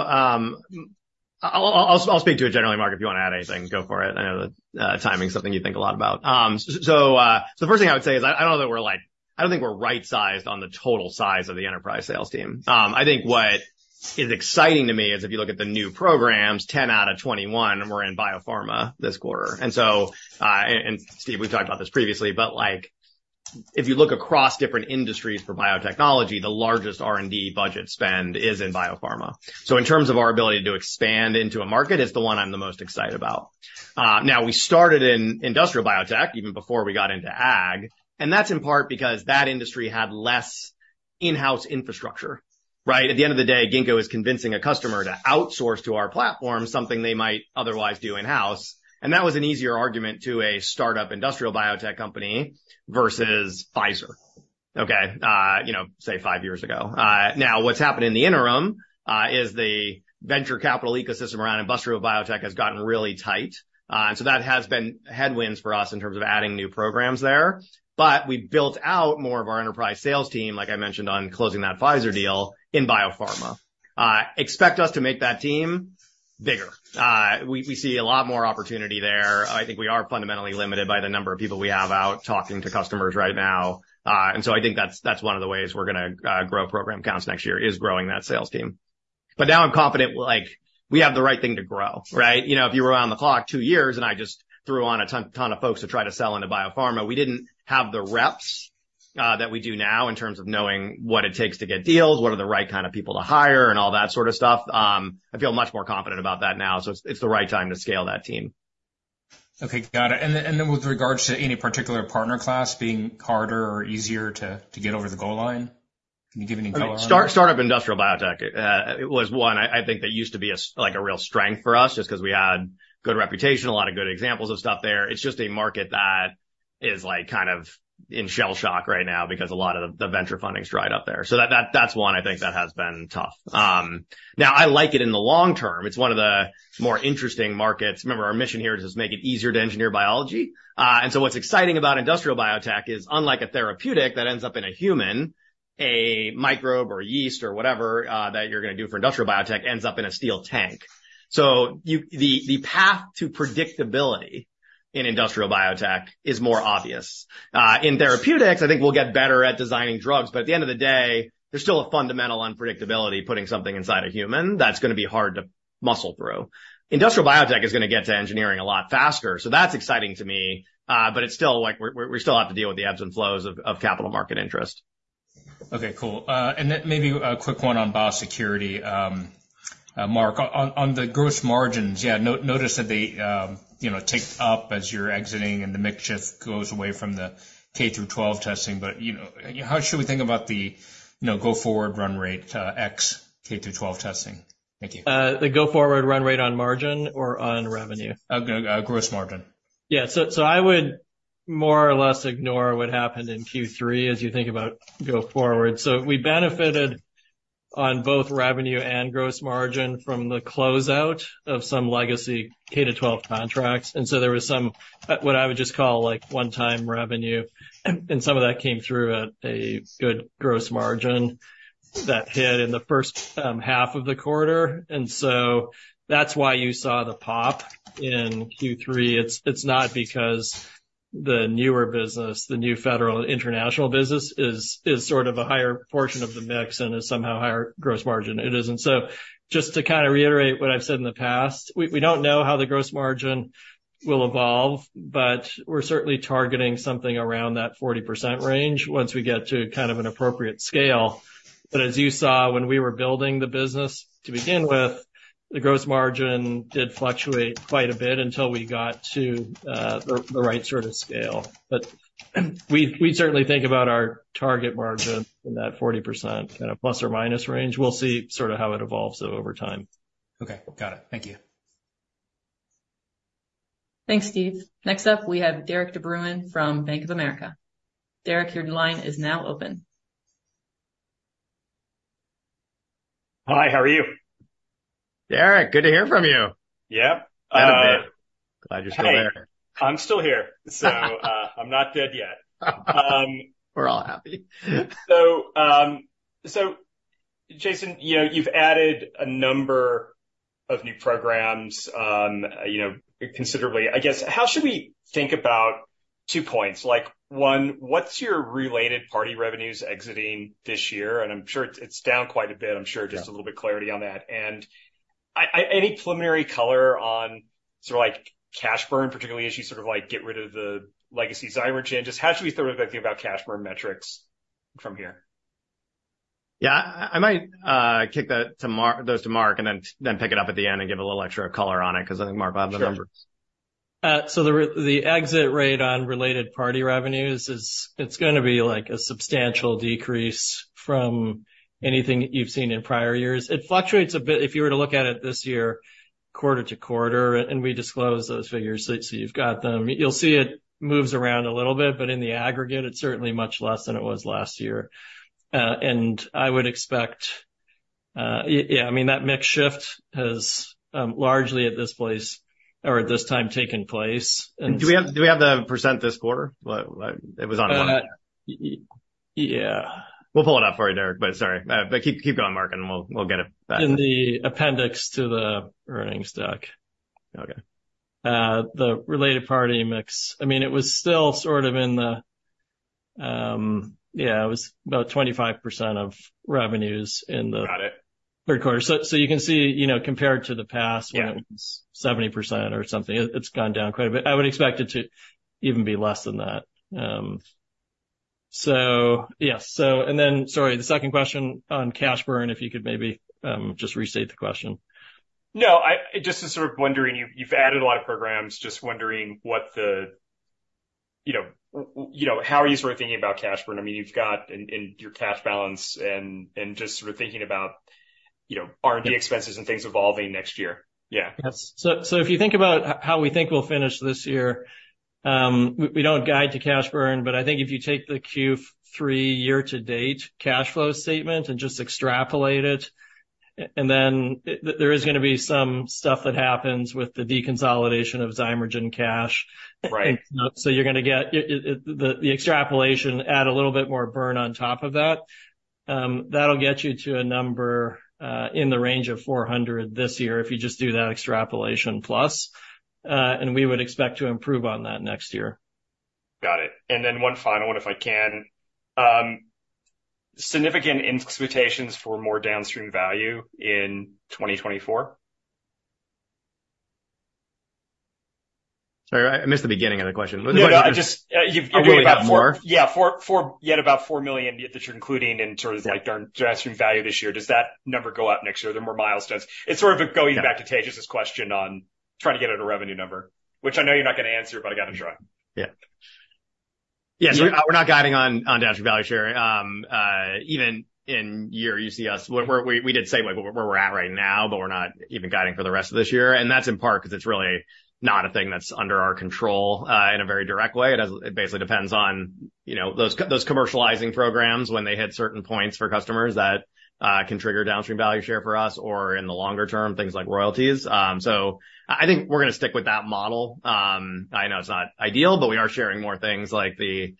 I'll speak to it generally, Mark, if you want to add anything, go for it. I know that, timing is something you think a lot about. So, the first thing I would say is, I don't know that we're like, I don't think we're right-sized on the total size of the enterprise sales team. I think what is exciting to me is if you look at the new programs, 10 out of 21 were in biopharma this quarter. And so, and Steve, we've talked about this previously, but, like, if you look across different industries for biotechnology, the largest R&D budget spend is in biopharma. So in terms of our ability to expand into a market, it's the one I'm the most excited about. Now, we started in industrial biotech even before we got into ag, and that's in part because that industry had less in-house infrastructure, right? At the end of the day, Ginkgo is convincing a customer to outsource to our platform something they might otherwise do in-house, and that was an easier argument to a startup industrial biotech company versus Pfizer, okay? You know, say, five years ago. Now, what's happened in the interim is the venture capital ecosystem around industrial biotech has gotten really tight. And so that has been headwinds for us in terms of adding new programs there. But we built out more of our enterprise sales team, like I mentioned, on closing that Pfizer deal in biopharma. Expect us to make that team bigger. We see a lot more opportunity there. I think we are fundamentally limited by the number of people we have out talking to customers right now. And so I think that's, that's one of the ways we're gonna grow program counts next year, is growing that sales team. But now I'm confident, like, we have the right thing to grow, right? You know, if you were around two years ago, and I just threw on a ton, ton of folks to try to sell into biopharma, we didn't have the reps that we do now in terms of knowing what it takes to get deals, what are the right kind of people to hire, and all that sort of stuff. I feel much more confident about that now, so it's, it's the right time to scale that team. Okay, got it. And then, and then with regards to any particular partner class being harder or easier to, to get over the goal line, can you give any color on that? Startup industrial biotech, it was one I think that used to be like a real strength for us just 'cause we had good reputation, a lot of good examples of stuff there. It's just a market that is like kind of in shell shock right now because a lot of the venture funding is dried up there. So that's one I think that has been tough. Now, I like it in the long term. It's one of the more interesting markets. Remember, our mission here is just make it easier to engineer biology. And so what's exciting about industrial biotech is, unlike a therapeutic that ends up in a human, a microbe or yeast or whatever that you're gonna do for industrial biotech ends up in a steel tank. So the path to predictability in industrial biotech is more obvious. In therapeutics, I think we'll get better at designing drugs, but at the end of the day, there's still a fundamental unpredictability, putting something inside a human that's gonna be hard to muscle through. Industrial biotech is gonna get to engineering a lot faster, so that's exciting to me. But it's still like we still have to deal with the ebbs and flows of capital market interest. Okay, cool. And then maybe a quick one on biosecurity. Mark, on the gross margins, yeah, noticed that they, you know, ticked up as you're exiting and the mix shift goes away from the K-12 testing. But, you know, how should we think about the, you know, go forward run rate, ex K-12 testing? Thank you. The go forward run rate on margin or on revenue? Gross margin. Yeah, so I would more or less ignore what happened in Q3 as you think about go forward. So we benefited on both revenue and gross margin from the closeout of some legacy K-12 contracts. And so there was some what I would just call, like, one-time revenue, and some of that came through at a good gross margin that hit in the first half of the quarter. And so that's why you saw the pop in Q3. It's not because the newer business, the new federal and international business, is sort of a higher portion of the mix and is somehow higher gross margin. It isn't. So just to kind of reiterate what I've said in the past, we don't know how the gross margin will evolve, but we're certainly targeting something around that 40% range once we get to kind of an appropriate scale. But as you saw, when we were building the business to begin with, the gross margin did fluctuate quite a bit until we got to the right sort of scale. But we certainly think about our target margin in that 40% kind of plus or minus range. We'll see sort of how it evolves, though, over time. Okay, got it. Thank you. Thanks, Steve. Next up, we have Derik de Bruin from Bank of America. Derek, your line is now open. Hi, how are you? Derik, good to hear from you! Yeah. Uh- Glad you're still there. I'm still here, so, I'm not dead yet. We're all happy. So, so Jason, you know, you've added a number of new programs, you know, considerably. I guess, how should we think about two points? Like, one, what's your related party revenues exiting this year? And I'm sure it's, it's down quite a bit, I'm sure. Yeah. Just a little bit of clarity on that. And any preliminary color on sort of like cash burn, particularly as you sort of like, get rid of the legacy Zymergen? Just how should we think about cash burn metrics from here? Yeah, I might kick that to Mark, those to Mark and then pick it up at the end and give a little extra color on it, 'cause I think Mark will have the numbers. Sure. So the exit rate on related party revenues is, it's gonna be like a substantial decrease from anything you've seen in prior years. It fluctuates a bit. If you were to look at it this year, quarter to quarter, and we disclose those figures, so, so you've got them. You'll see it moves around a little bit, but in the aggregate, it's certainly much less than it was last year. And I would expect... Yeah, I mean, that mix shift has largely at this place or at this time, taken place. And- Do we have the percent this quarter? What. It was on one. Uh, y-yeah. We'll pull it up for you, Derik, but sorry. But keep going, Mark, and we'll get it back. In the appendix to the earnings deck. Okay. The related party mix, I mean, it was still sort of in the, yeah, it was about 25% of revenues in the- Got it third quarter. So you can see, you know, compared to the past- Yeah when it was 70% or something, it's gone down quite a bit. I would expect it to even be less than that. So yes. So and then, sorry, the second question on cash burn, if you could maybe just restate the question. No, I just is sort of wondering, you've added a lot of programs, just wondering what the, you know, you know, how are you sort of thinking about cash burn? I mean, you've got and your cash balance and just sort of thinking about, you know, R&D expenses and things evolving next year. Yeah. Yes. So if you think about how we think we'll finish this year, we don't guide to cash burn, but I think if you take the Q3 year to date cash flow statement and just extrapolate it, and then there is gonna be some stuff that happens with the deconsolidation of Zymergen cash. Right. So you're gonna get the extrapolation, add a little bit more burn on top of that. That'll get you to a number in the range of 400 this year, if you just do that extrapolation plus, and we would expect to improve on that next year. Got it. And then one final one, if I can. Significant expectations for more downstream value in 2024? Sorry, I missed the beginning of the question. No, no, I just- You're looking at more? Yeah, four, four, you had about $4 million that you're including in terms of- Yeah... downstream value this year. Does that number go up next year, the more milestones? It's sort of going back to Tejas' question on trying to get at a revenue number, which I know you're not going to answer, but I got to try. Yeah. Yes, we're not guiding on downstream value share. Even in year, you see us... We did say, like, where we're at right now, but we're not even guiding for the rest of this year, and that's in part because it's really not a thing that's under our control in a very direct way. It basically depends on, you know, those commercializing programs when they hit certain points for customers that can trigger downstream value share for us, or in the longer term, things like royalties. So I think we're going to stick with that model. I know it's not ideal, but we are sharing more things like the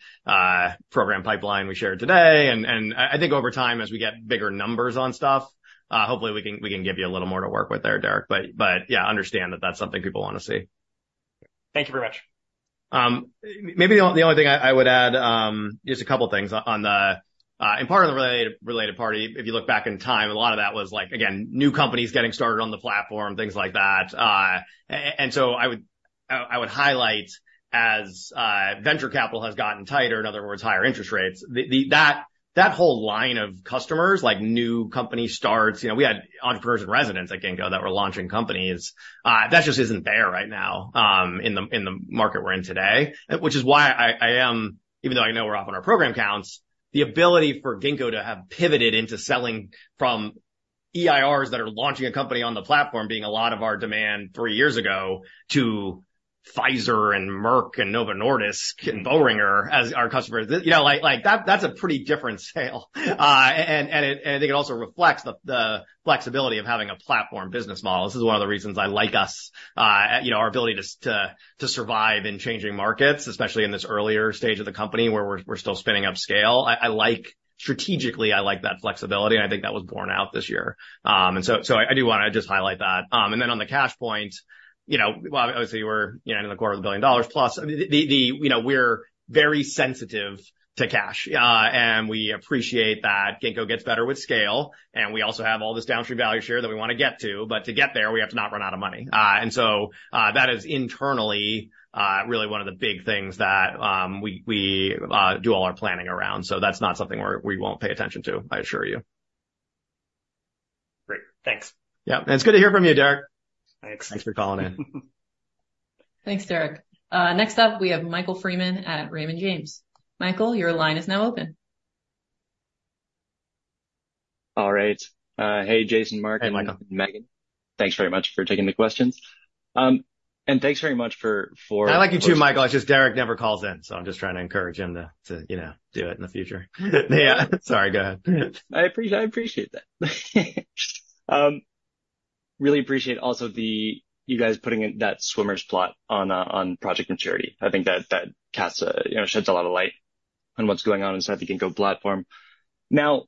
program pipeline we shared today. And I think over time, as we get bigger numbers on stuff, hopefully we can give you a little more to work with there, Derik. But yeah, I understand that that's something people want to see. Thank you very much. Maybe the only thing I would add, just a couple of things on the and part of the related party. If you look back in time, a lot of that was like, again, new companies getting started on the platform, things like that. And so I would highlight as venture capital has gotten tighter, in other words, higher interest rates, that whole line of customers, like new company starts, you know, we had entrepreneurs in residence at Ginkgo that were launching companies. That just isn't there right now, in the market we're in today. Which is why I am, even though I know we're off on our program counts, the ability for Ginkgo to have pivoted into selling from EIRs that are launching a company on the platform, being a lot of our demand three years ago, to Pfizer and Merck and Novo Nordisk and Boehringer as our customers. You know, like, that's a pretty different sale. And I think it also reflects the flexibility of having a platform business model. This is one of the reasons I like us, you know, our ability to survive in changing markets, especially in this earlier stage of the company, where we're still spinning up scale. I like strategically that flexibility, and I think that was borne out this year. So I do wanna just highlight that. And then on the cash point, you know, well, obviously, we're, you know, in $250 million plus. I mean, the, you know, we're very sensitive to cash, and we appreciate that Ginkgo gets better with scale, and we also have all this downstream value share that we wanna get to, but to get there, we have to not run out of money. And so, that is internally, really one of the big things that, we, do all our planning around. So that's not something we're – we won't pay attention to, I assure you. Great. Thanks. Yeah, and it's good to hear from you, Derik. Thanks. Thanks for calling in. Thanks, Derik. Next up, we have Michael Freeman at Raymond James. Michael, your line is now open. All right. Hey, Jason, Mark- Hi, Michael and Megan. Thanks very much for taking the questions. And thanks very much for, I like you, too, Michael. It's just Derik never calls in, so I'm just trying to encourage him to you know do it in the future. Yeah. Sorry, go ahead. I appreciate, I appreciate that. Really appreciate also the you guys putting in that swimmer's plot on, on project maturity. I think that, that casts a, you know, sheds a lot of light on what's going on inside the Ginkgo platform. Now,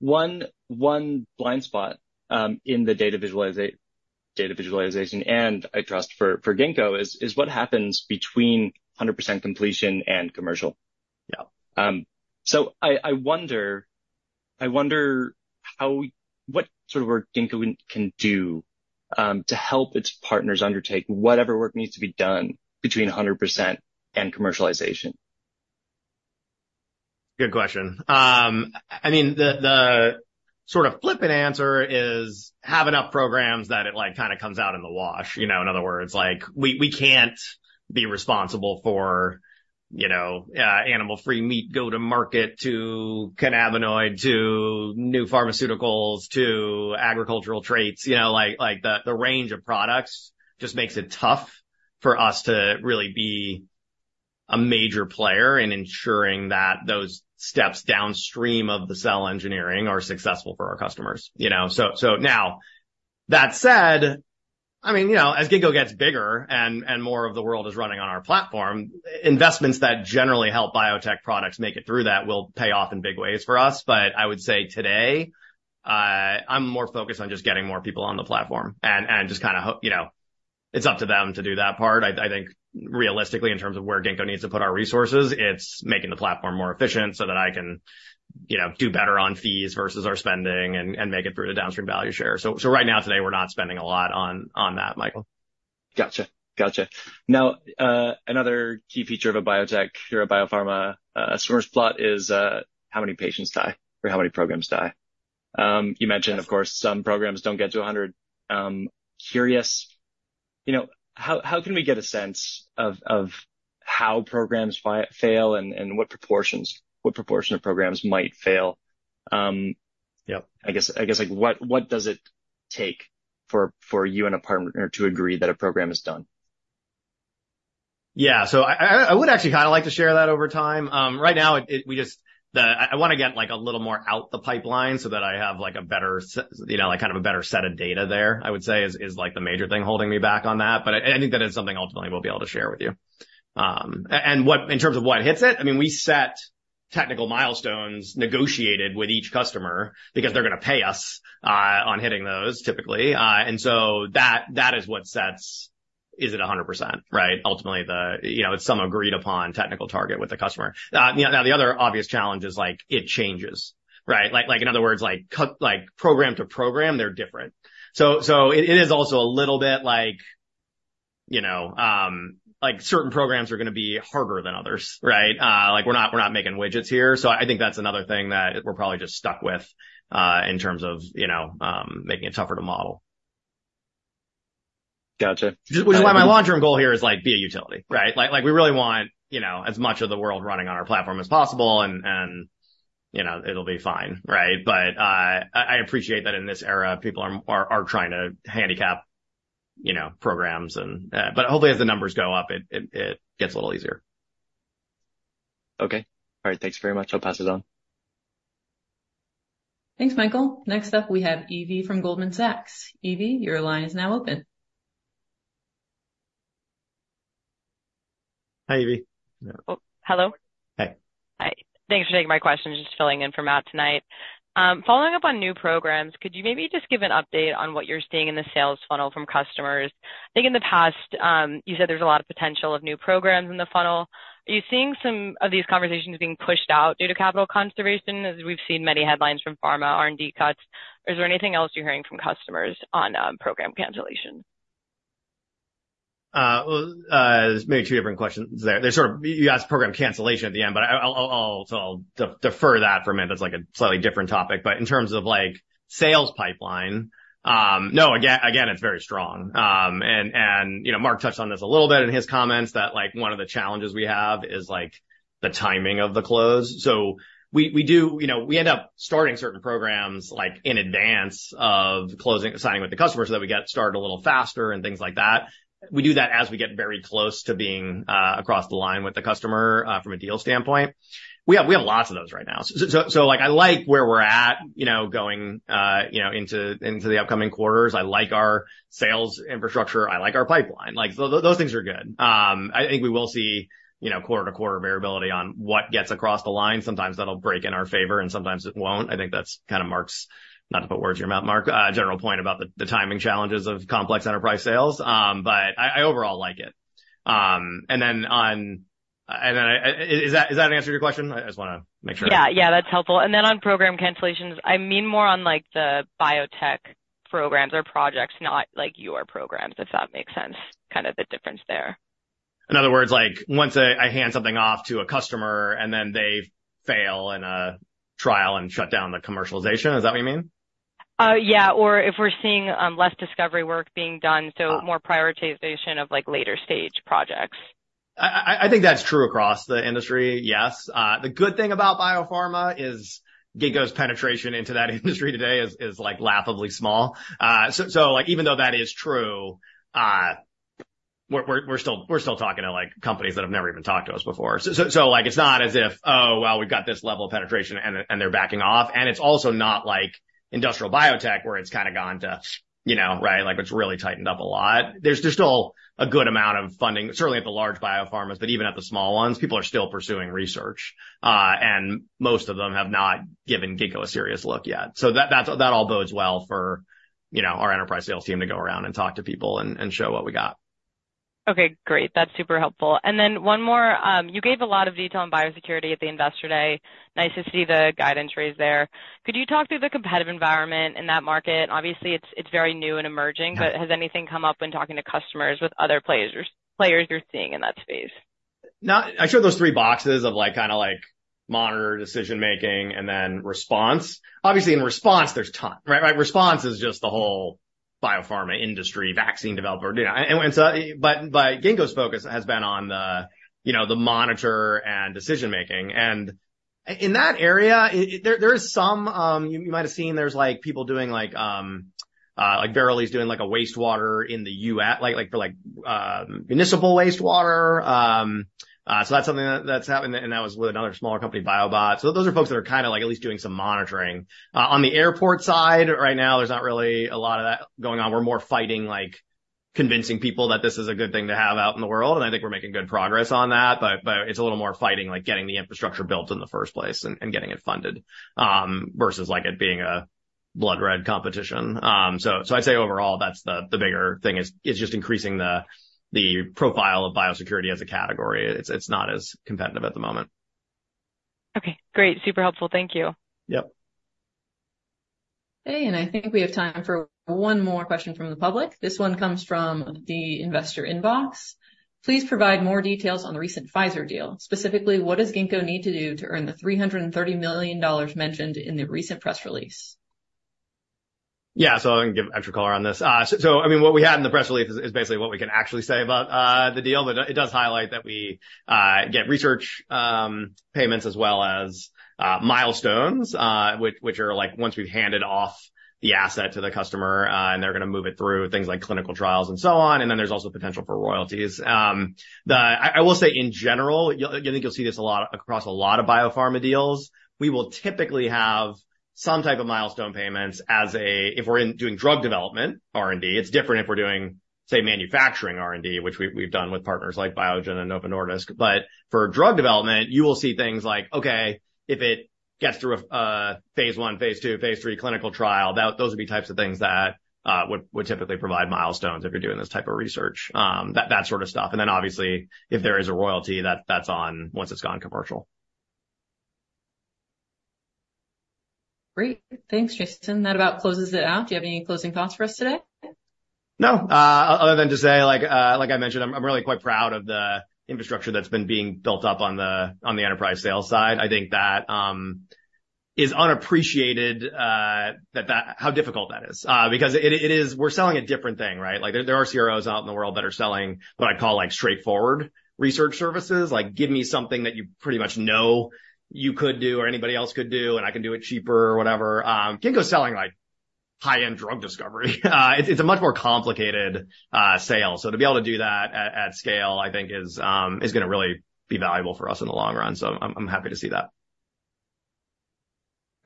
one, one blind spot, in the data visualization, and I trust for, for Ginkgo, is, is what happens between 100% completion and commercial? Yeah. I wonder what sort of work Ginkgo can do to help its partners undertake whatever work needs to be done between 100% and commercialization. Good question. I mean, the sort of flippant answer is, have enough programs that it, like, kind of comes out in the wash. You know, in other words, like, we can't be responsible for, you know, animal-free meat go to market, to cannabinoid, to new pharmaceuticals, to agricultural traits. You know, like, the range of products just makes it tough for us to really be a major player in ensuring that those steps downstream of the cell engineering are successful for our customers, you know? So, now, that said, I mean, you know, as Ginkgo gets bigger and more of the world is running on our platform, investments that generally help biotech products make it through that will pay off in big ways for us. But I would say today, I'm more focused on just getting more people on the platform and just kind of hope, you know, it's up to them to do that part. I think realistically, in terms of where Ginkgo needs to put our resources, it's making the platform more efficient so that I can, you know, do better on fees versus our spending and make it through the downstream value share. So right now, today, we're not spending a lot on that, Michael. Gotcha. Gotcha. Now, another key feature of a biotech or a biopharma swimmers plot is how many patients die or how many programs die. You mentioned, of course, some programs don't get to 100. Curious, you know, how can we get a sense of how programs fail and what proportions, what proportion of programs might fail? Yep. I guess, like, what does it take for you and a partner to agree that a program is done? Yeah, so I would actually kind of like to share that over time. Right now, we just I wanna get like a little more out the pipeline so that I have like a better, you know, like, kind of a better set of data there, I would say, is like the major thing holding me back on that. But I think that is something ultimately we'll be able to share with you. And what in terms of what hits it, I mean, we set technical milestones negotiated with each customer because they're gonna pay us on hitting those, typically. And so that is what sets, is it 100%, right? Ultimately, you know, it's some agreed-upon technical target with the customer. Now the other obvious challenge is like it changes, right? Like, in other words, like, program to program, they're different. So it is also a little bit like, you know, like, certain programs are gonna be harder than others, right? Like, we're not making widgets here. So I think that's another thing that we're probably just stuck with, in terms of, you know, making it tougher to model. Gotcha. Which is why my long-term goal here is, like, be a utility, right? Like, we really want, you know, as much of the world running on our platform as possible and, you know, it'll be fine, right? But, I appreciate that in this era, people are trying to handicap, you know, programs, and... But hopefully, as the numbers go up, it gets a little easier. Okay. All right. Thanks very much. I'll pass this on. Thanks, Michael. Next up, we have Evie from Goldman Sachs. Evie, your line is now open. Hi, Evie. Oh, hello? Hey. Hi, thanks for taking my questions. Just filling in for Matt tonight. Following up on new programs, could you maybe just give an update on what you're seeing in the sales funnel from customers? I think in the past, you said there's a lot of potential of new programs in the funnel. Are you seeing some of these conversations being pushed out due to capital conservation, as we've seen many headlines from pharma R&D cuts? Or is there anything else you're hearing from customers on program cancellation? Well, there's maybe two different questions there. There's sort of, you asked program cancellation at the end, but I'll defer that for a minute. It's like a slightly different topic, but in terms of, like, sales pipeline, no, again, it's very strong. And, you know, Mark touched on this a little bit in his comments, that, like, one of the challenges we have is, like, the timing of the close. So we do—you know, we end up starting certain programs, like, in advance of closing, signing with the customer, so that we get started a little faster and things like that. We do that as we get very close to being across the line with the customer, from a deal standpoint. We have lots of those right now. So, like, I like where we're at, you know, going, you know, into the upcoming quarters. I like our sales infrastructure. I like our pipeline. Like, those things are good. I think we will see, you know, quarter-to-quarter variability on what gets across the line. Sometimes that'll break in our favor, and sometimes it won't. I think that's kind of Mark's, not to put words in your mouth, Mark, general point about the timing challenges of complex enterprise sales. But I overall like it. And then... is that, does that answer your question? I just wanna make sure. Yeah. Yeah, that's helpful. And then on program cancellations, I mean more on, like, the biotech programs or projects, not like your programs, if that makes sense, kind of the difference there. In other words, like, once I hand something off to a customer, and then they fail in a trial and shut down the commercialization, is that what you mean? Yeah, or if we're seeing less discovery work being done, so more prioritization of, like, later-stage projects. I think that's true across the industry, yes. The good thing about biopharma is Ginkgo's penetration into that industry today is, is, like, laughably small. So, like, even though that is true, we're still talking to, like, companies that have never even talked to us before. So, like, it's not as if, "Oh, well, we've got this level of penetration, and they're backing off." And it's also not like industrial biotech, where it's kind of gone to, you know, right? Like, it's really tightened up a lot. There's still a good amount of funding, certainly at the large biopharmas, but even at the small ones, people are still pursuing research. And most of them have not given Ginkgo a serious look yet. So that's all bodes well for, you know, our enterprise sales team to go around and talk to people and show what we got. Okay, great. That's super helpful. And then one more. You gave a lot of detail on biosecurity at the Investor Day. Nice to see the guidance raised there. Could you talk through the competitive environment in that market? Obviously, it's very new and emerging but has anything come up when talking to customers with other players, players you're seeing in that space? I showed those three boxes of, like, kind of like, monitor decision-making and then response. Obviously, in response, there's ton, right? Right, response is just the whole biopharma industry, vaccine developer, you know, and, and so. But Ginkgo's focus has been on the, you know, the monitor and decision making. And in that area, there is some, you might have seen there's, like, people doing like, Verily is doing like a wastewater in the U.S., like, like for like, municipal wastewater. So that's something that, that's happened, and that was with another smaller company, Biobot. So those are folks that are kind of like at least doing some monitoring. On the airport side, right now, there's not really a lot of that going on. We're more fighting, like convincing people that this is a good thing to have out in the world, and I think we're making good progress on that. But it's a little more fighting, like getting the infrastructure built in the first place and getting it funded, versus like it being a blood-red competition. So I'd say overall, that's the bigger thing is just increasing the profile of biosecurity as a category. It's not as competitive at the moment. Okay, great. Super helpful. Thank you. Yep. Okay, and I think we have time for one more question from the public. This one comes from the investor inbox: Please provide more details on the recent Pfizer deal. Specifically, what does Ginkgo need to do to earn the $330 million mentioned in the recent press release? Yeah, so I can give extra color on this. So I mean, what we had in the press release is basically what we can actually say about the deal, but it does highlight that we get research payments as well as milestones, which are like once we've handed off the asset to the customer, and they're gonna move it through things like clinical trials and so on, and then there's also potential for royalties. I will say in general, you'll, I think you'll see this a lot across a lot of biopharma deals. We will typically have some type of milestone payments if we're doing drug development, R&D. It's different if we're doing, say, manufacturing R&D, which we've done with partners like Biogen and Novo Nordisk. But for drug development, you will see things like, okay, if it gets through a Phase I, Phase II, Phase III clinical trial, that those would be types of things that would typically provide milestones if you're doing this type of research, that sort of stuff. Then obviously, if there is a royalty, that's on once it's gone commercial. Great. Thanks, Jason. That about closes it out. Do you have any closing thoughts for us today? No, other than to say, like I mentioned, I'm really quite proud of the infrastructure that's been being built up on the enterprise sales side. I think that is unappreciated, that how difficult that is. Because it is. We're selling a different thing, right? Like, there are CROs out in the world that are selling what I call, like, straightforward research services, like: Give me something that you pretty much know you could do or anybody else could do, and I can do it cheaper or whatever. Ginkgo's selling, like, high-end drug discovery. It's a much more complicated sale. So to be able to do that at scale, I think is gonna really be valuable for us in the long run. So I'm happy to see that.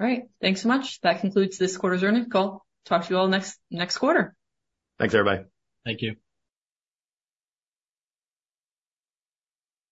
All right. Thanks so much. That concludes this quarter's earnings call. Talk to you all next, next quarter. Thanks, everybody. Thank you.